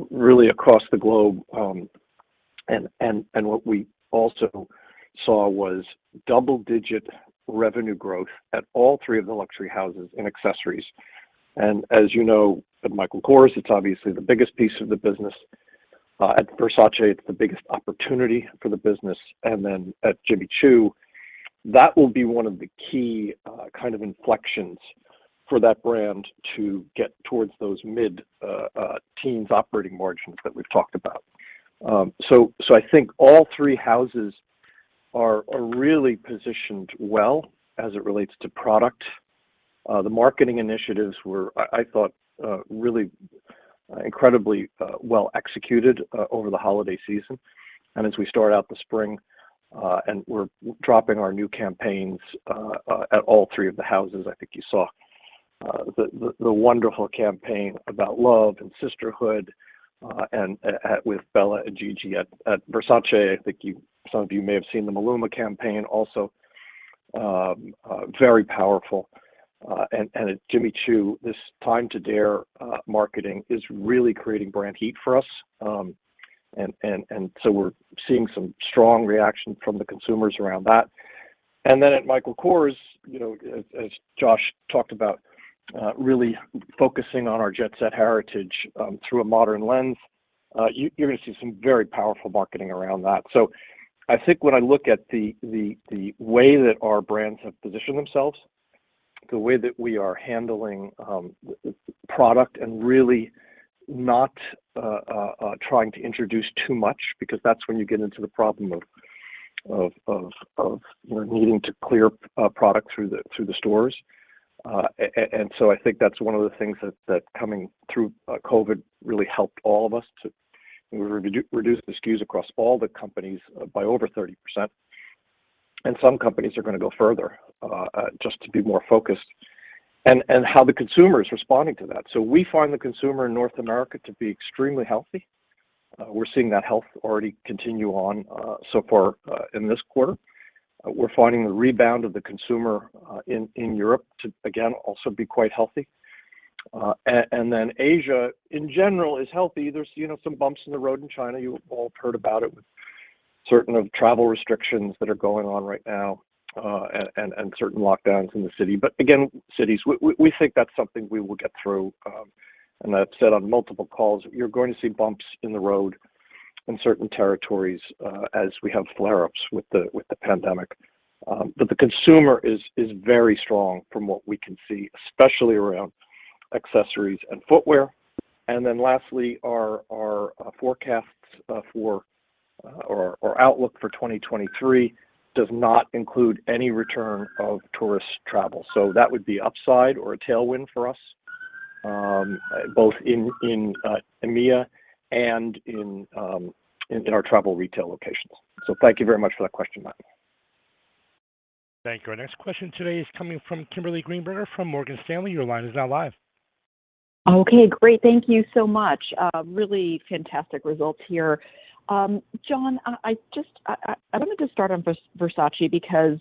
Speaker 3: really across the globe, and what we also saw was double-digit revenue growth at all three of the luxury houses and accessories. As you know, at Michael Kors, it's obviously the biggest piece of the business. At Versace, it's the biggest opportunity for the business. At Jimmy Choo, that will be one of the key kind of inflections for that brand to get towards those mid-teens operating margins that we've talked about. I think all three houses are really positioned well as it relates to product. The marketing initiatives were, I thought, really incredibly well executed over the holiday season. As we start out the spring and we're dropping our new campaigns at all three of the houses. I think you saw the wonderful campaign about love and sisterhood with Bella and Gigi at Versace. I think some of you may have seen the Maluma campaign also, very powerful. At Jimmy Choo, Time to Dare marketing is really creating brand heat for us. We're seeing some strong reaction from the consumers around that. At Michael Kors, you know, as Josh talked about, really focusing on our jet set heritage through a modern lens. You're going to see some very powerful marketing around that. I think when I look at the way that our brands have positioned themselves, the way that we are handling product and really not trying to introduce too much, because that's when you get into the problem of needing to clear product through the stores. I think that's one of the things that coming through COVID really helped all of us to reduce the SKUs across all the companies by over 30%. Some companies are going to go further, just to be more focused and how the consumer is responding to that. We find the consumer in North America to be extremely healthy. We're seeing that health already continue on so far in this quarter. We're finding the rebound of the consumer in Europe to again also be quite healthy. Asia in general is healthy. There's, you know, some bumps in the road in China. You've all heard about it with certain travel restrictions that are going on right now and certain lockdowns in the city. Again, cities, we think that's something we will get through. I've said on multiple calls, you're going to see bumps in the road in certain territories, as we have flare-ups with the pandemic. The consumer is very strong from what we can see, especially around accessories and footwear. Then lastly, our forecasts or outlook for 2023 does not include any return of tourist travel. That would be upside or a tailwind for us, both in EMEA and in our travel retail locations. Thank you very much for that question, Matt.
Speaker 1: Thank you. Our next question today is coming from Kimberly Greenberger from Morgan Stanley. Your line is now live.
Speaker 8: Okay, great. Thank you so much. Really fantastic results here. John, I wanted to start on Versace because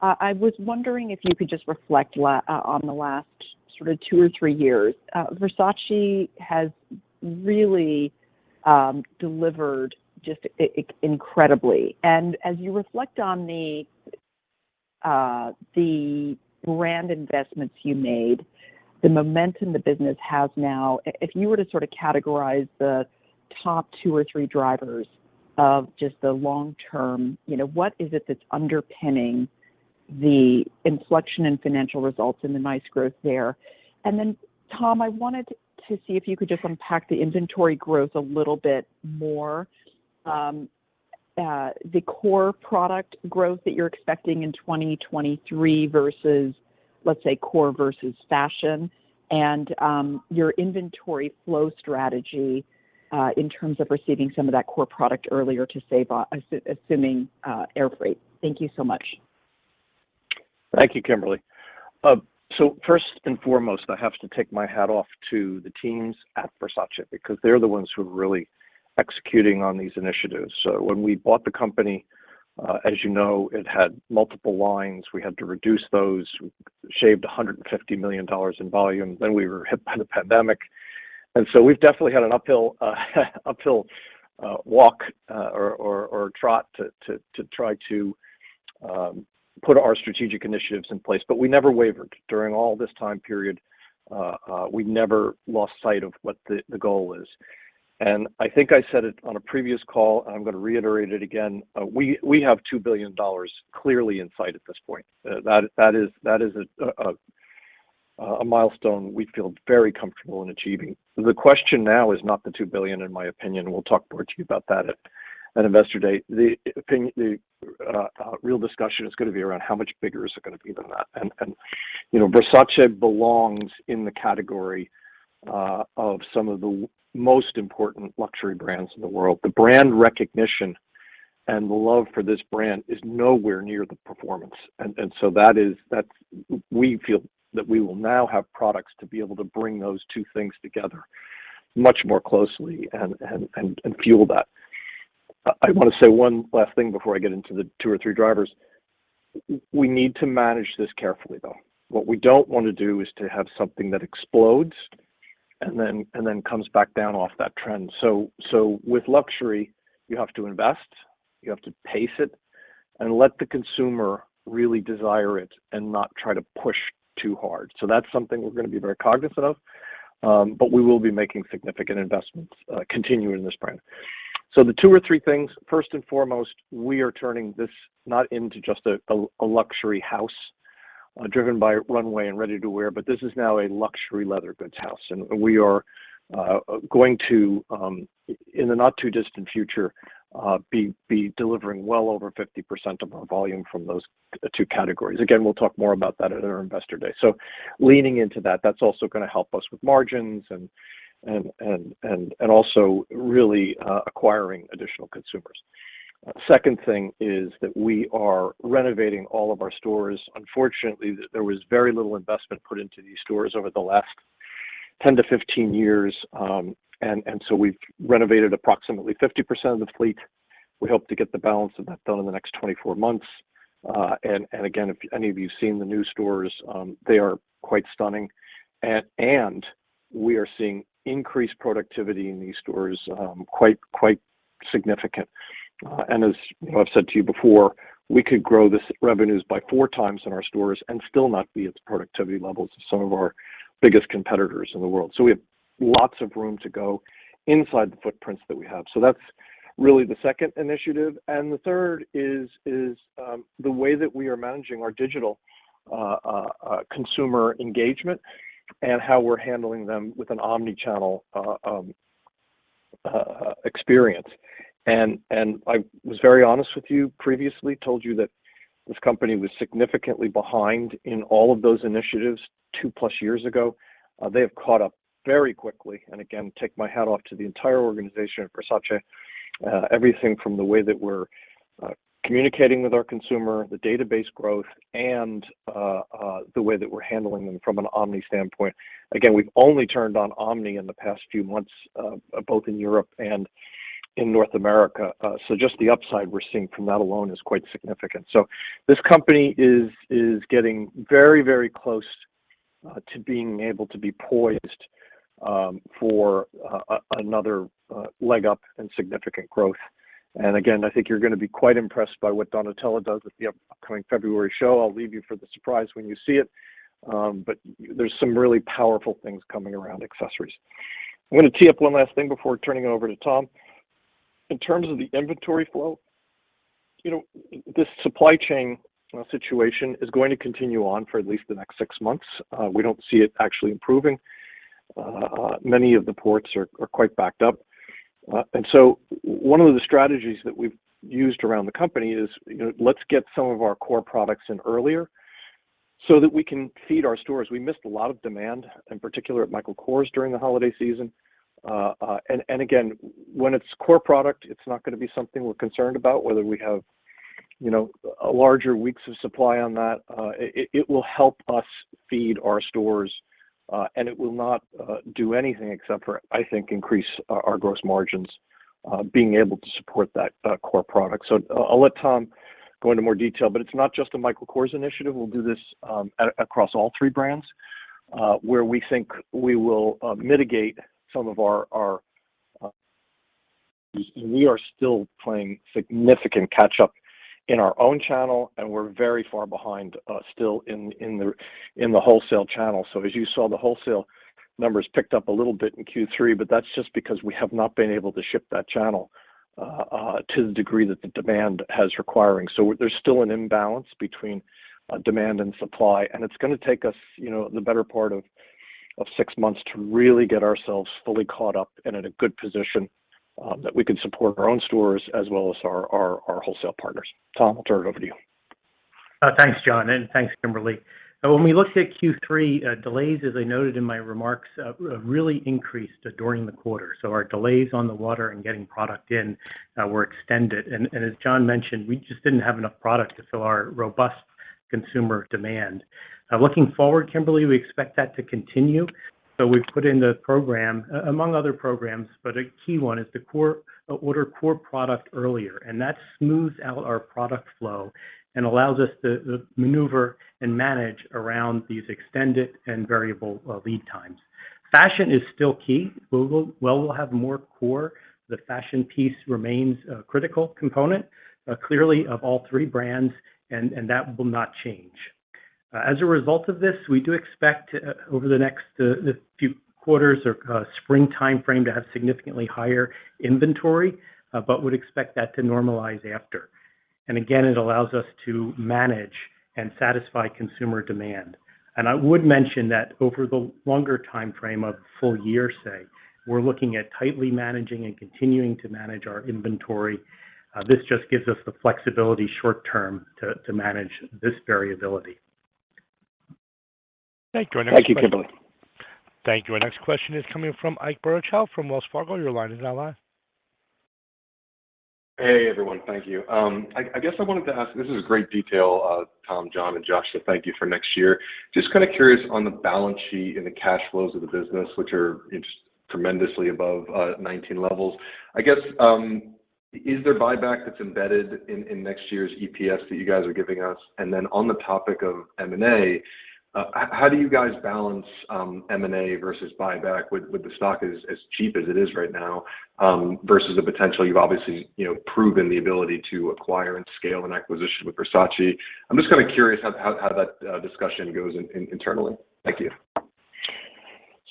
Speaker 8: I was wondering if you could just reflect on the last sort of two or three years. Versace has really delivered just incredibly. As you reflect on the brand investments you made, the momentum the business has now, if you were to sort of categorize the top two or three drivers of just the long-term, you know, what is it that's underpinning the inflection and financial results and the nice growth there? Tom, I wanted to see if you could just unpack the inventory growth a little bit more. The core product growth that you're expecting in 2023 versus, let's say, core versus fashion, and your inventory flow strategy in terms of receiving some of that core product earlier to save on assuming air freight. Thank you so much.
Speaker 3: Thank you, Kimberly. First and foremost, I have to take my hat off to the teams at Versace because they're the ones who are really executing on these initiatives. When we bought the company, as you know, it had multiple lines. We had to reduce those. We shaved $150 million in volume. Then we were hit by the pandemic. We've definitely had an uphill walk or trot to try to put our strategic initiatives in place. But we never wavered. During all this time period, we never lost sight of what the goal is. I think I said it on a previous call, and I'm going to reiterate it again, we have $2 billion clearly in sight at this point. That is a milestone we feel very comfortable in achieving. The question now is not the $2 billion, in my opinion. We'll talk more to you about that at Investor Day. The real discussion is gonna be around how much bigger is it gonna be than that. You know, Versace belongs in the category of some of the most important luxury brands in the world. The brand recognition and the love for this brand is nowhere near the performance. We feel that we will now have products to be able to bring those two things together much more closely and fuel that. I wanna say one last thing before I get into the two or three drivers. We need to manage this carefully, though. What we don't wanna do is to have something that explodes and then comes back down off that trend. With luxury, you have to invest, you have to pace it, and let the consumer really desire it and not try to push too hard. That's something we're gonna be very cognizant of, but we will be making significant investments continuing this brand. The two or three things, first and foremost, we are turning this not into just a luxury house driven by runway and ready-to-wear, but this is now a luxury leather goods house. We are going to, in the not too distant future, be delivering well over 50% of our volume from those two categories. Again, we'll talk more about that at our Investor Day. Leaning into that's also gonna help us with margins and also really acquiring additional consumers. Second thing is that we are renovating all of our stores. Unfortunately, there was very little investment put into these stores over the last 10-15 years, and so we've renovated approximately 50% of the fleet. We hope to get the balance of that done in the next 24 months. Again, if any of you've seen the new stores, they are quite stunning. We are seeing increased productivity in these stores, quite significant. As I've said to you before, we could grow this revenues by four times in our stores and still not be at the productivity levels of some of our biggest competitors in the world. We have lots of room to go inside the footprints that we have. That's really the second initiative. The third is the way that we are managing our digital consumer engagement and how we're handling them with an omnichannel experience. I was very honest with you previously, told you that this company was significantly behind in all of those initiatives two-plus years ago. They have caught up very quickly. Again, take my hat off to the entire organization at Versace. Everything from the way that we're communicating with our consumer, the database growth, and the way that we're handling them from an omni standpoint. Again, we've only turned on omni in the past few months, both in Europe and in North America. Just the upside we're seeing from that alone is quite significant. This company is getting very close to being able to be poised for another leg up and significant growth. Again, I think you're gonna be quite impressed by what Donatella Versace does at the upcoming February show. I'll leave you for the surprise when you see it. There's some really powerful things coming around accessories. I'm gonna tee up one last thing before turning it over to Tom Edwards. In terms of the inventory flow, you know, this supply chain situation is going to continue on for at least the next six months. We don't see it actually improving. Many of the ports are quite backed up. One of the strategies that we've used around the company is, you know, let's get some of our core products in earlier so that we can feed our stores. We missed a lot of demand, in particular at Michael Kors during the holiday season. And again, when it's core product, it's not gonna be something we're concerned about, whether we have, you know, larger weeks of supply on that. It will help us feed our stores, and it will not do anything except for, I think, increase our gross margins, being able to support that core product. So I'll let Tom go into more detail, but it's not just a Michael Kors initiative. We'll do this across all three brands, where we think we will mitigate some of our. We are still playing significant catch up in our own channel, and we're very far behind, still in the wholesale channel. As you saw, the wholesale numbers picked up a little bit in Q3, but that's just because we have not been able to ship that channel to the degree that the demand has required. There's still an imbalance between demand and supply, and it's gonna take us, you know, the better part of six months to really get ourselves fully caught up and at a good position that we can support our own stores as well as our wholesale partners. Tom, I'll turn it over to you.
Speaker 5: Thanks, John, and thanks, Kimberly. When we looked at Q3 delays, as I noted in my remarks, really increased during the quarter. Our delays on the water and getting product in were extended. As John mentioned, we just didn't have enough product to fill our robust consumer demand. Looking forward, Kimberly, we expect that to continue. We've put in the program, among other programs, but a key one is to order core product earlier, and that smooths out our product flow and allows us to maneuver and manage around these extended and variable lead times. Fashion is still key. While we'll have more core, the fashion piece remains a critical component clearly of all three brands, and that will not change. As a result of this, we do expect over the next few quarters or spring timeframe to have significantly higher inventory, but would expect that to normalize after. Again, it allows us to manage and satisfy consumer demand. I would mention that over the longer timeframe of full year, say, we're looking at tightly managing and continuing to manage our inventory. This just gives us the flexibility short term to manage this variability.
Speaker 1: Thank you. Our next question.
Speaker 5: Thank you, Kimberly.
Speaker 1: Thank you. Our next question is coming from Ike Boruchow from Wells Fargo. Your line is now live.
Speaker 9: Hey, everyone. Thank you. I guess I wanted to ask, this is great detail, Tom, John, and Josh, so thank you for next year. Just kinda curious on the balance sheet and the cash flows of the business, which are just tremendously above 2019 levels. I guess, is there buyback that's embedded in next year's EPS that you guys are giving us? On the topic of M&A, how do you guys balance M&A versus buyback with the stock as cheap as it is right now versus the potential? You've obviously, you know, proven the ability to acquire and scale an acquisition with Versace. I'm just kinda curious how that discussion goes internally. Thank you.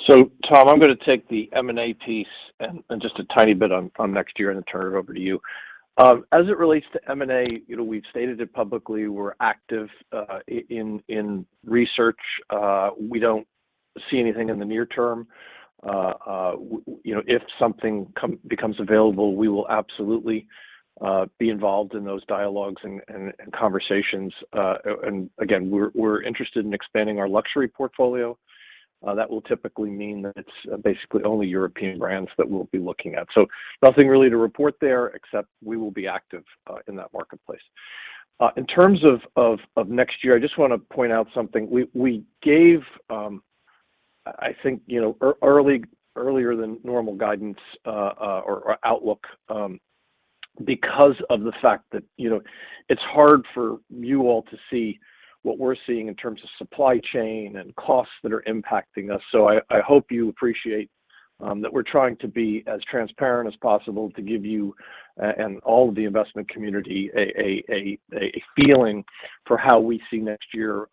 Speaker 3: Tom, I'm gonna take the M&A piece and just a tiny bit on next year, and then turn it over to you. As it relates to M&A, you know, we've stated it publicly, we're active in research. We don't see anything in the near term. You know, if something becomes available, we will absolutely be involved in those dialogues and conversations. Again, we're interested in expanding our luxury portfolio. That will typically mean that it's basically only European brands that we'll be looking at. Nothing really to report there except we will be active in that marketplace. In terms of next year, I just wanna point out something. We gave earlier than normal guidance or outlook because of the fact that, you know, it's hard for you all to see what we're seeing in terms of supply chain and costs that are impacting us. I hope you appreciate that we're trying to be as transparent as possible to give you and all of the investment community a feeling for how we see next year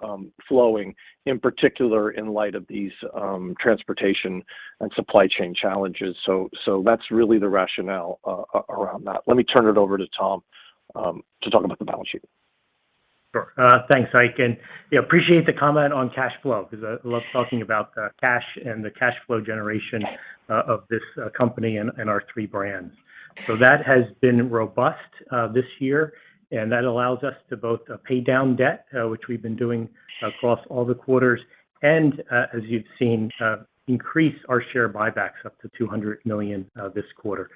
Speaker 3: flowing, in particular, in light of these transportation and supply chain challenges. That's really the rationale around that. Let me turn it over to Tom to talk about the balance sheet.
Speaker 5: Sure. Thanks, Ike. Yeah, appreciate the comment on cash flow, 'cause I love talking about cash and the cash flow generation of this company and our three brands. That has been robust this year, and that allows us to both pay down debt, which we've been doing across all the quarters, and as you've seen, increase our share buybacks up to $200 million this quarter.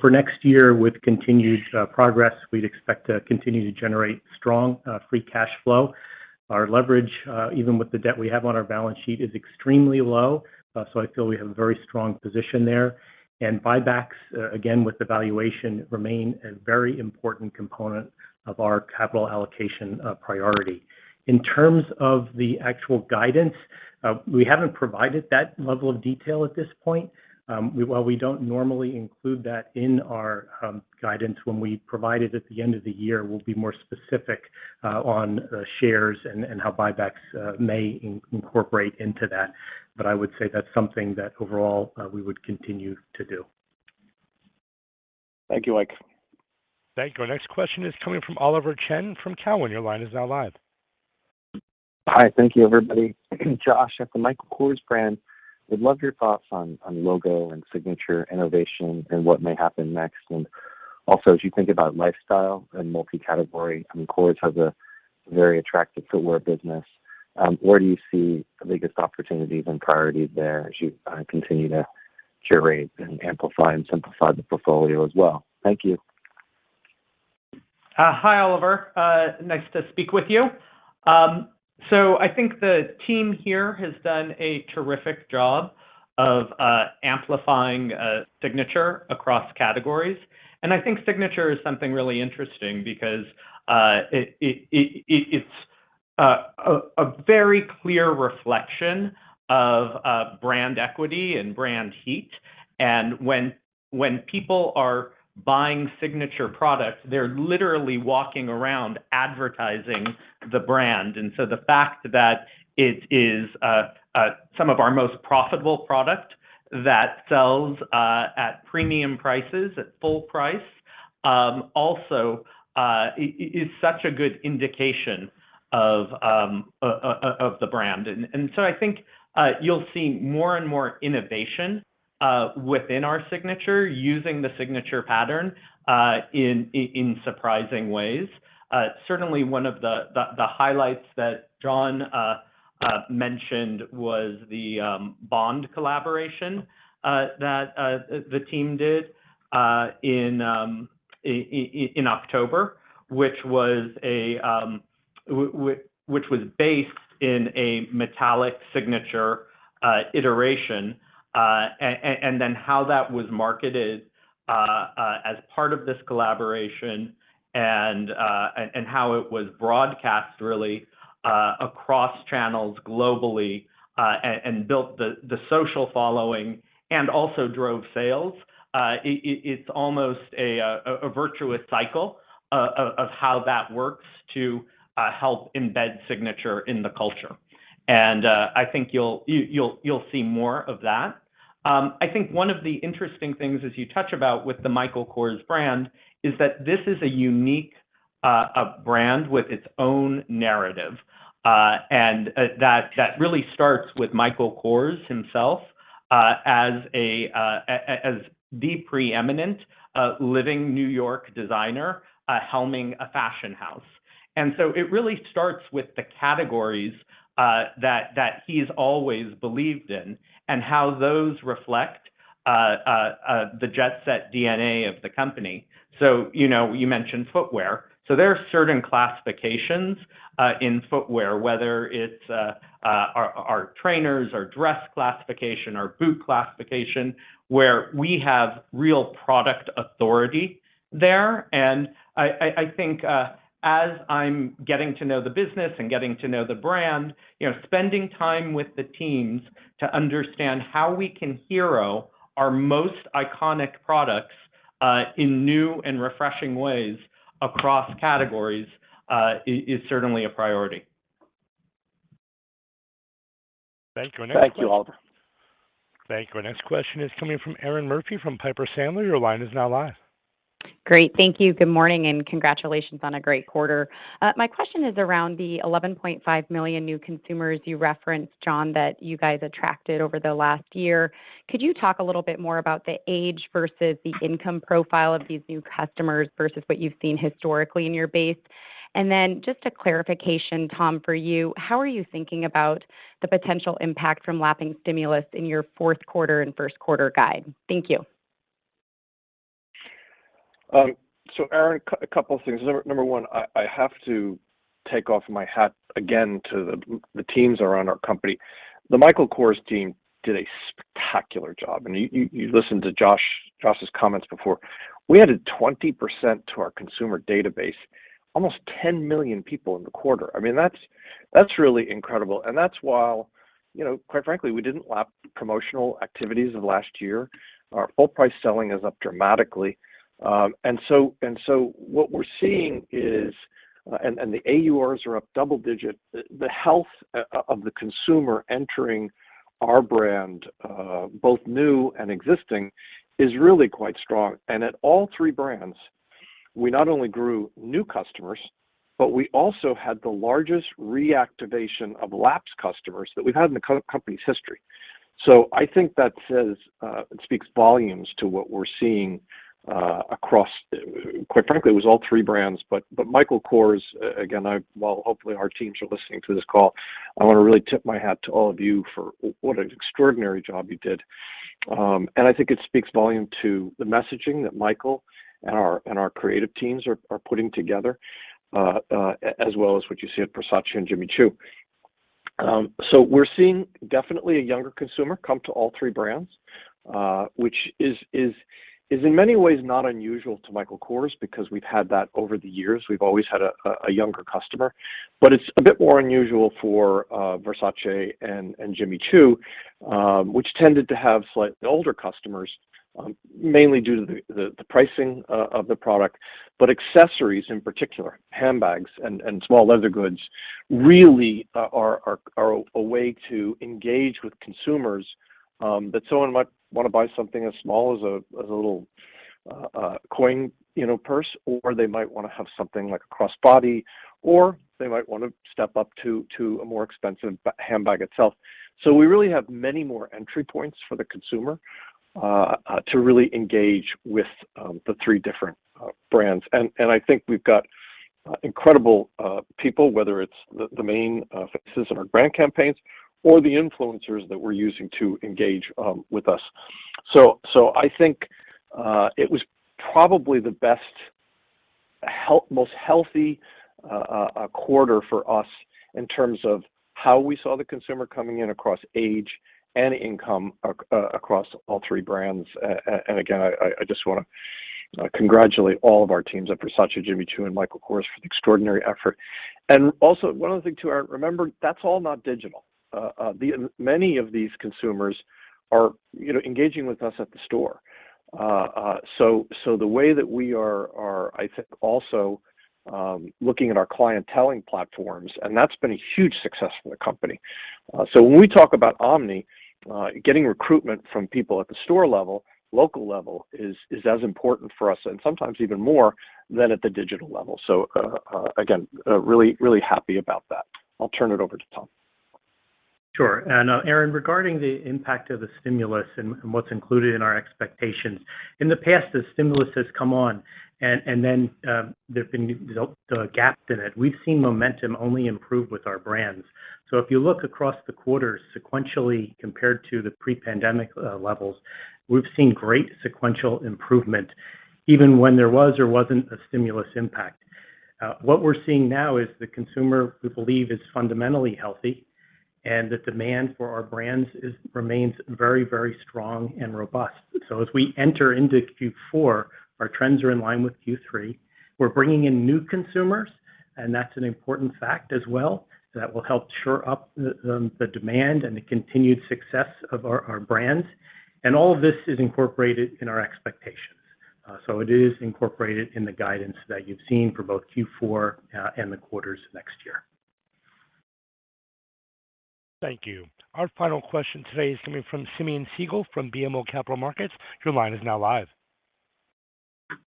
Speaker 5: For next year, with continued progress, we'd expect to continue to generate strong free cash flow. Our leverage, even with the debt we have on our balance sheet, is extremely low, so I feel we have a very strong position there. Buybacks, again, with the valuation, remain a very important component of our capital allocation priority. In terms of the actual guidance, we haven't provided that level of detail at this point. While we don't normally include that in our guidance when we provide it at the end of the year, we'll be more specific on shares and how buybacks may incorporate into that. I would say that's something that overall we would continue to do.
Speaker 1: Thank you, Ike. Thank you. Our next question is coming from Oliver Chen from Cowen. Your line is now live.
Speaker 10: Hi. Thank you, everybody. Josh Schulman at the Michael Kors brand would love your thoughts on logo and signature innovation and what may happen next. Also, as you think about lifestyle and multi-category, I mean, Kors has a very attractive footwear business. Where do you see the biggest opportunities and priorities there as you continue to curate and amplify and simplify the portfolio as well? Thank you.
Speaker 4: Hi, Oliver. Nice to speak with you. I think the team here has done a terrific job of amplifying signature across categories. I think signature is something really interesting because it is a very clear reflection of brand equity and brand heat. When people are buying signature products, they're literally walking around advertising the brand. The fact that it is some of our most profitable product that sells at premium prices, at full price, also is such a good indication of the brand. I think you'll see more and more innovation within our signature using the signature pattern in surprising ways. Certainly one of the highlights that John mentioned was the Bond collaboration that the team did in October, which was a Which was based in a metallic Signature iteration. Then how that was marketed as part of this collaboration and how it was broadcast really across channels globally and built the social following and also drove sales. It's almost a virtuous cycle of how that works to help embed Signature in the culture. I think you'll see more of that. I think one of the interesting things as you touch about with the Michael Kors brand is that this is a unique brand with its own narrative and that really starts with Michael Kors himself as the preeminent living New York designer helming a fashion house. It really starts with the categories that he's always believed in and how those reflect the jet set DNA of the company. You know, you mentioned footwear. There are certain classifications in footwear, whether it's our trainers or dress classification or boot classification, where we have real product authority there. I think, as I'm getting to know the business and getting to know the brand, you know, spending time with the teams to understand how we can hero our most iconic products in new and refreshing ways across categories, is certainly a priority.
Speaker 1: Thank you. Next question.
Speaker 10: Thank you, all.
Speaker 1: Thank you. Our next question is coming from Erinn Murphy from Piper Sandler. Your line is now live.
Speaker 11: Great. Thank you. Good morning, and congratulations on a great quarter. My question is around the 11.5 million new consumers you referenced, John, that you guys attracted over the last year. Could you talk a little bit more about the age versus the income profile of these new customers versus what you've seen historically in your base? Just a clarification, Tom, for you, how are you thinking about the potential impact from lapping stimulus in your fourth quarter and first quarter guide? Thank you.
Speaker 3: Erin, a couple things. Number one, I have to take off my hat again to the teams around our company. The Michael Kors team did a spectacular job. You listened to Josh's comments before. We added 20% to our consumer database, almost 10 million people in the quarter. I mean, that's really incredible. That's while, you know, quite frankly, we didn't lap promotional activities of last year. Our full price selling is up dramatically. What we're seeing is the AURs are up double-digit. The health of the consumer entering our brand, both new and existing, is really quite strong. At all three brands, we not only grew new customers, but we also had the largest reactivation of lapsed customers that we've had in the company's history. I think it speaks volumes to what we're seeing across. Quite frankly, it was all three brands. Michael Kors, again, well, hopefully our teams are listening to this call. I want to really tip my hat to all of you for what an extraordinary job you did. I think it speaks volumes to the messaging that Michael and our creative teams are putting together, as well as what you see at Versace and Jimmy Choo. We're seeing definitely a younger consumer come to all three brands, which is in many ways not unusual to Michael Kors because we've had that over the years. We've always had a younger customer. It's a bit more unusual for Versace and Jimmy Choo, which tended to have slightly older customers, mainly due to the pricing of the product. Accessories in particular, handbags and small leather goods, really are a way to engage with consumers, that someone might wanna buy something as small as a little coin, you know, purse, or they might wanna have something like a crossbody, or they might wanna step up to a more expensive handbag itself. We really have many more entry points for the consumer to really engage with the three different brands. I think we've got incredible people, whether it's the main faces on our brand campaigns or the influencers that we're using to engage with us. I think it was probably the best, most healthy quarter for us in terms of how we saw the consumer coming in across age and income across all three brands. Again, I just wanna congratulate all of our teams at Versace, Jimmy Choo, and Michael Kors for the extraordinary effort. Also one other thing too, Erin, remember, that's all not digital. Many of these consumers are, you know, engaging with us at the store. The way that we are, I think, also looking at our clienteling platforms, and that's been a huge success for the company. When we talk about omni, getting recruitment from people at the store level, local level is as important for us and sometimes even more than at the digital level. Again, really happy about that. I'll turn it over to Tom.
Speaker 5: Sure. Erin, regarding the impact of the stimulus and what's included in our expectations, in the past, the stimulus has come on and then there have been the gaps in it. We've seen momentum only improve with our brands. If you look across the quarters sequentially compared to the pre-pandemic levels, we've seen great sequential improvement even when there was or wasn't a stimulus impact. What we're seeing now is the consumer we believe is fundamentally healthy. The demand for our brands remains very, very strong and robust. As we enter into Q4, our trends are in line with Q3. We're bringing in new consumers, and that's an important fact as well. That will help shore up the demand and the continued success of our brands. All of this is incorporated in our expectations. It is incorporated in the guidance that you've seen for both Q4 and the quarters next year.
Speaker 1: Thank you. Our final question today is coming from Simeon Siegel from BMO Capital Markets. Your line is now live.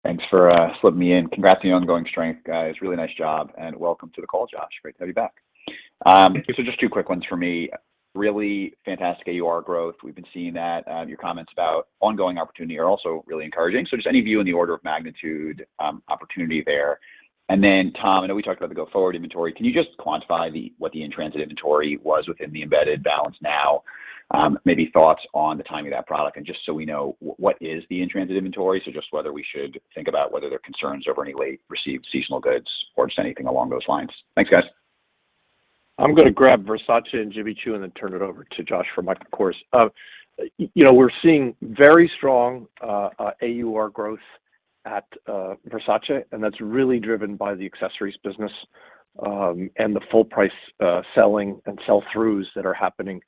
Speaker 12: Thanks for slipping me in. Congrats on the ongoing strength, guys. Really nice job. Welcome to the call, Josh. Great to have you back. Just two quick ones for me. Really fantastic AUR growth. We've been seeing that. Your comments about ongoing opportunity are also really encouraging. Just any view in the order of magnitude, opportunity there. Tom, I know we talked about the go-forward inventory. Can you just quantify what the in-transit inventory was within the embedded balance now? Maybe thoughts on the timing of that product, and just so we know what is the in-transit inventory, so just whether we should think about whether there are concerns over any late received seasonal goods or just anything along those lines. Thanks, guys.
Speaker 3: I'm gonna grab Versace and Jimmy Choo and then turn it over to Josh for Michael Kors. You know, we're seeing very strong AUR growth at Versace, and that's really driven by the accessories business and the full price selling and sell-throughs that are happening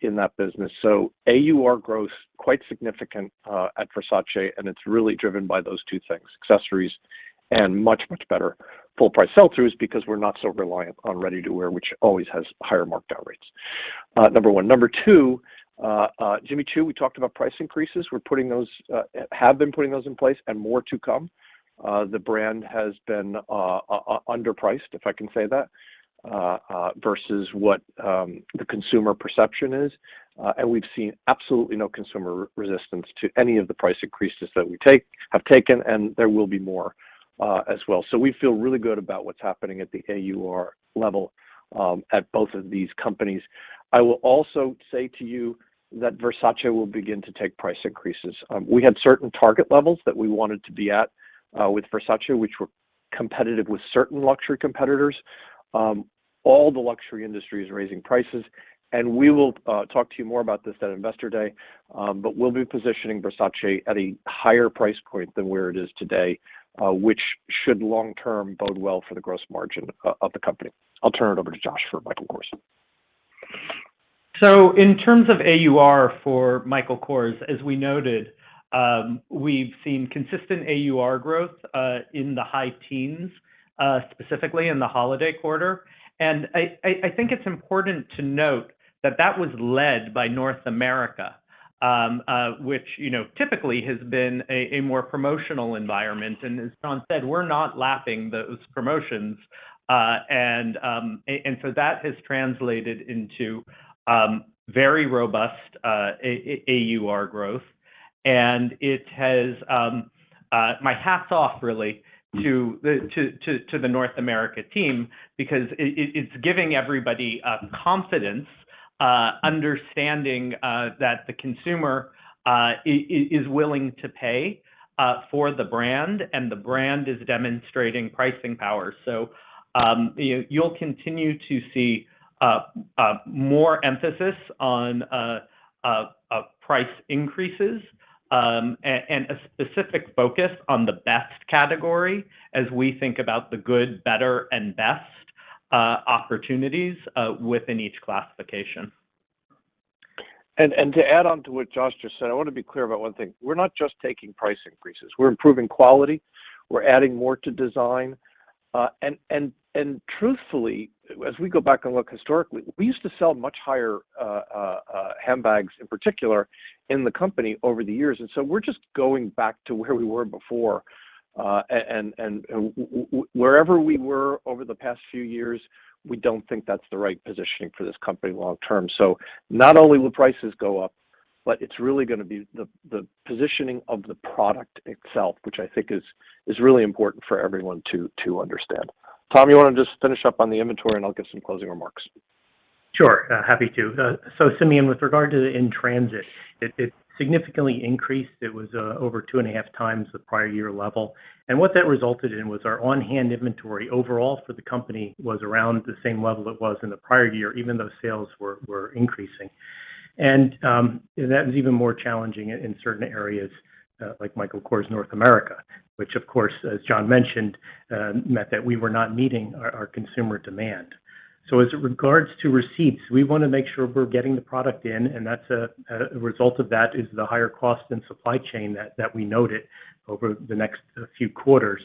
Speaker 3: in that business. AUR growth quite significant at Versace, and it's really driven by those two things, accessories and much better full price sell-throughs because we're not so reliant on ready-to-wear, which always has higher markdown rates. Number one. Number two, Jimmy Choo, we talked about price increases. Have been putting those in place and more to come. The brand has been underpriced, if I can say that, versus what the consumer perception is. We've seen absolutely no consumer resistance to any of the price increases that we have taken, and there will be more, as well. We feel really good about what's happening at the AUR level, at both of these companies. I will also say to you that Versace will begin to take price increases. We had certain target levels that we wanted to be at, with Versace, which were competitive with certain luxury competitors. All the luxury industry is raising prices, and we will talk to you more about this at Investor Day, but we'll be positioning Versace at a higher price point than where it is today, which should long term bode well for the gross margin of the company. I'll turn it over to Josh for Michael Kors.
Speaker 4: In terms of AUR for Michael Kors, as we noted, we've seen consistent AUR growth in the high teens, specifically in the holiday quarter. I think it's important to note that that was led by North America, which, you know, typically has been a more promotional environment. As John said, we're not lapping those promotions. That has translated into very robust AUR growth. It has. My hat's off really to the North America team because it's giving everybody confidence understanding that the consumer is willing to pay for the brand, and the brand is demonstrating pricing power. You'll continue to see more emphasis on price increases and a specific focus on the best category as we think about the good, better, and best opportunities within each classification.
Speaker 3: To add on to what Josh just said, I wanna be clear about one thing. We're not just taking price increases. We're improving quality. We're adding more to design. And truthfully, as we go back and look historically, we used to sell much higher handbags in particular in the company over the years. We're just going back to where we were before. Wherever we were over the past few years, we don't think that's the right positioning for this company long term. Not only will prices go up, but it's really gonna be the positioning of the product itself, which I think is really important for everyone to understand. Tom, you wanna just finish up on the inventory, and I'll give some closing remarks.
Speaker 5: Sure. Happy to. Simeon, with regard to the in-transit, it significantly increased. It was over 2.5 times the prior year level. What that resulted in was our on-hand inventory overall for the company was around the same level it was in the prior year, even though sales were increasing. That was even more challenging in certain areas, like Michael Kors North America, which of course, as John mentioned, meant that we were not meeting our consumer demand. As it regards to receipts, we wanna make sure we're getting the product in, and that's a result of that is the higher cost and supply chain that we noted over the next few quarters.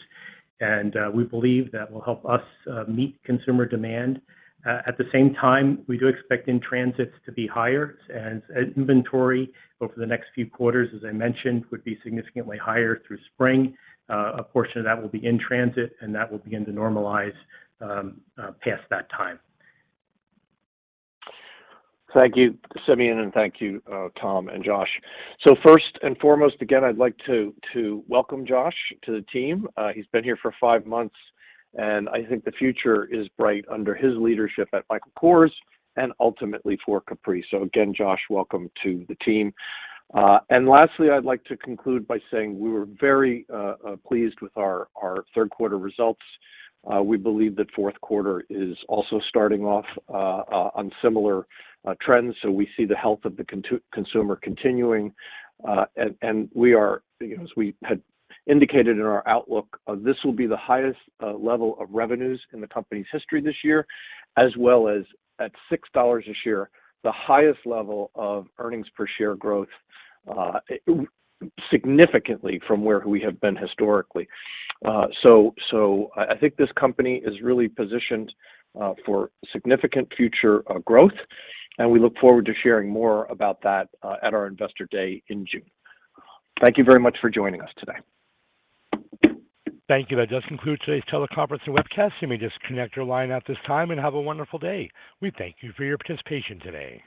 Speaker 5: We believe that will help us meet consumer demand. At the same time, we do expect in-transits to be higher and inventory over the next few quarters, as I mentioned, would be significantly higher through spring. A portion of that will be in transit and that will begin to normalize past that time.
Speaker 3: Thank you, Simeon, and thank you, Tom and Josh. First and foremost, again, I'd like to welcome Josh to the team. He's been here for five months, and I think the future is bright under his leadership at Michael Kors and ultimately for Capri. Again, Josh, welcome to the team. Lastly, I'd like to conclude by saying we were very pleased with our third quarter results. We believe that fourth quarter is also starting off on similar trends. We see the health of the consumer continuing. We are, you know, as we had indicated in our outlook, this will be the highest level of revenues in the company's history this year, as well as at $6 a share, the highest level of earnings per share growth, significantly from where we have been historically. I think this company is really positioned for significant future growth, and we look forward to sharing more about that at our Investor Day in June. Thank you very much for joining us today.
Speaker 1: Thank you. That does conclude today's teleconference and webcast. You may disconnect your line at this time, and have a wonderful day. We thank you for your participation today.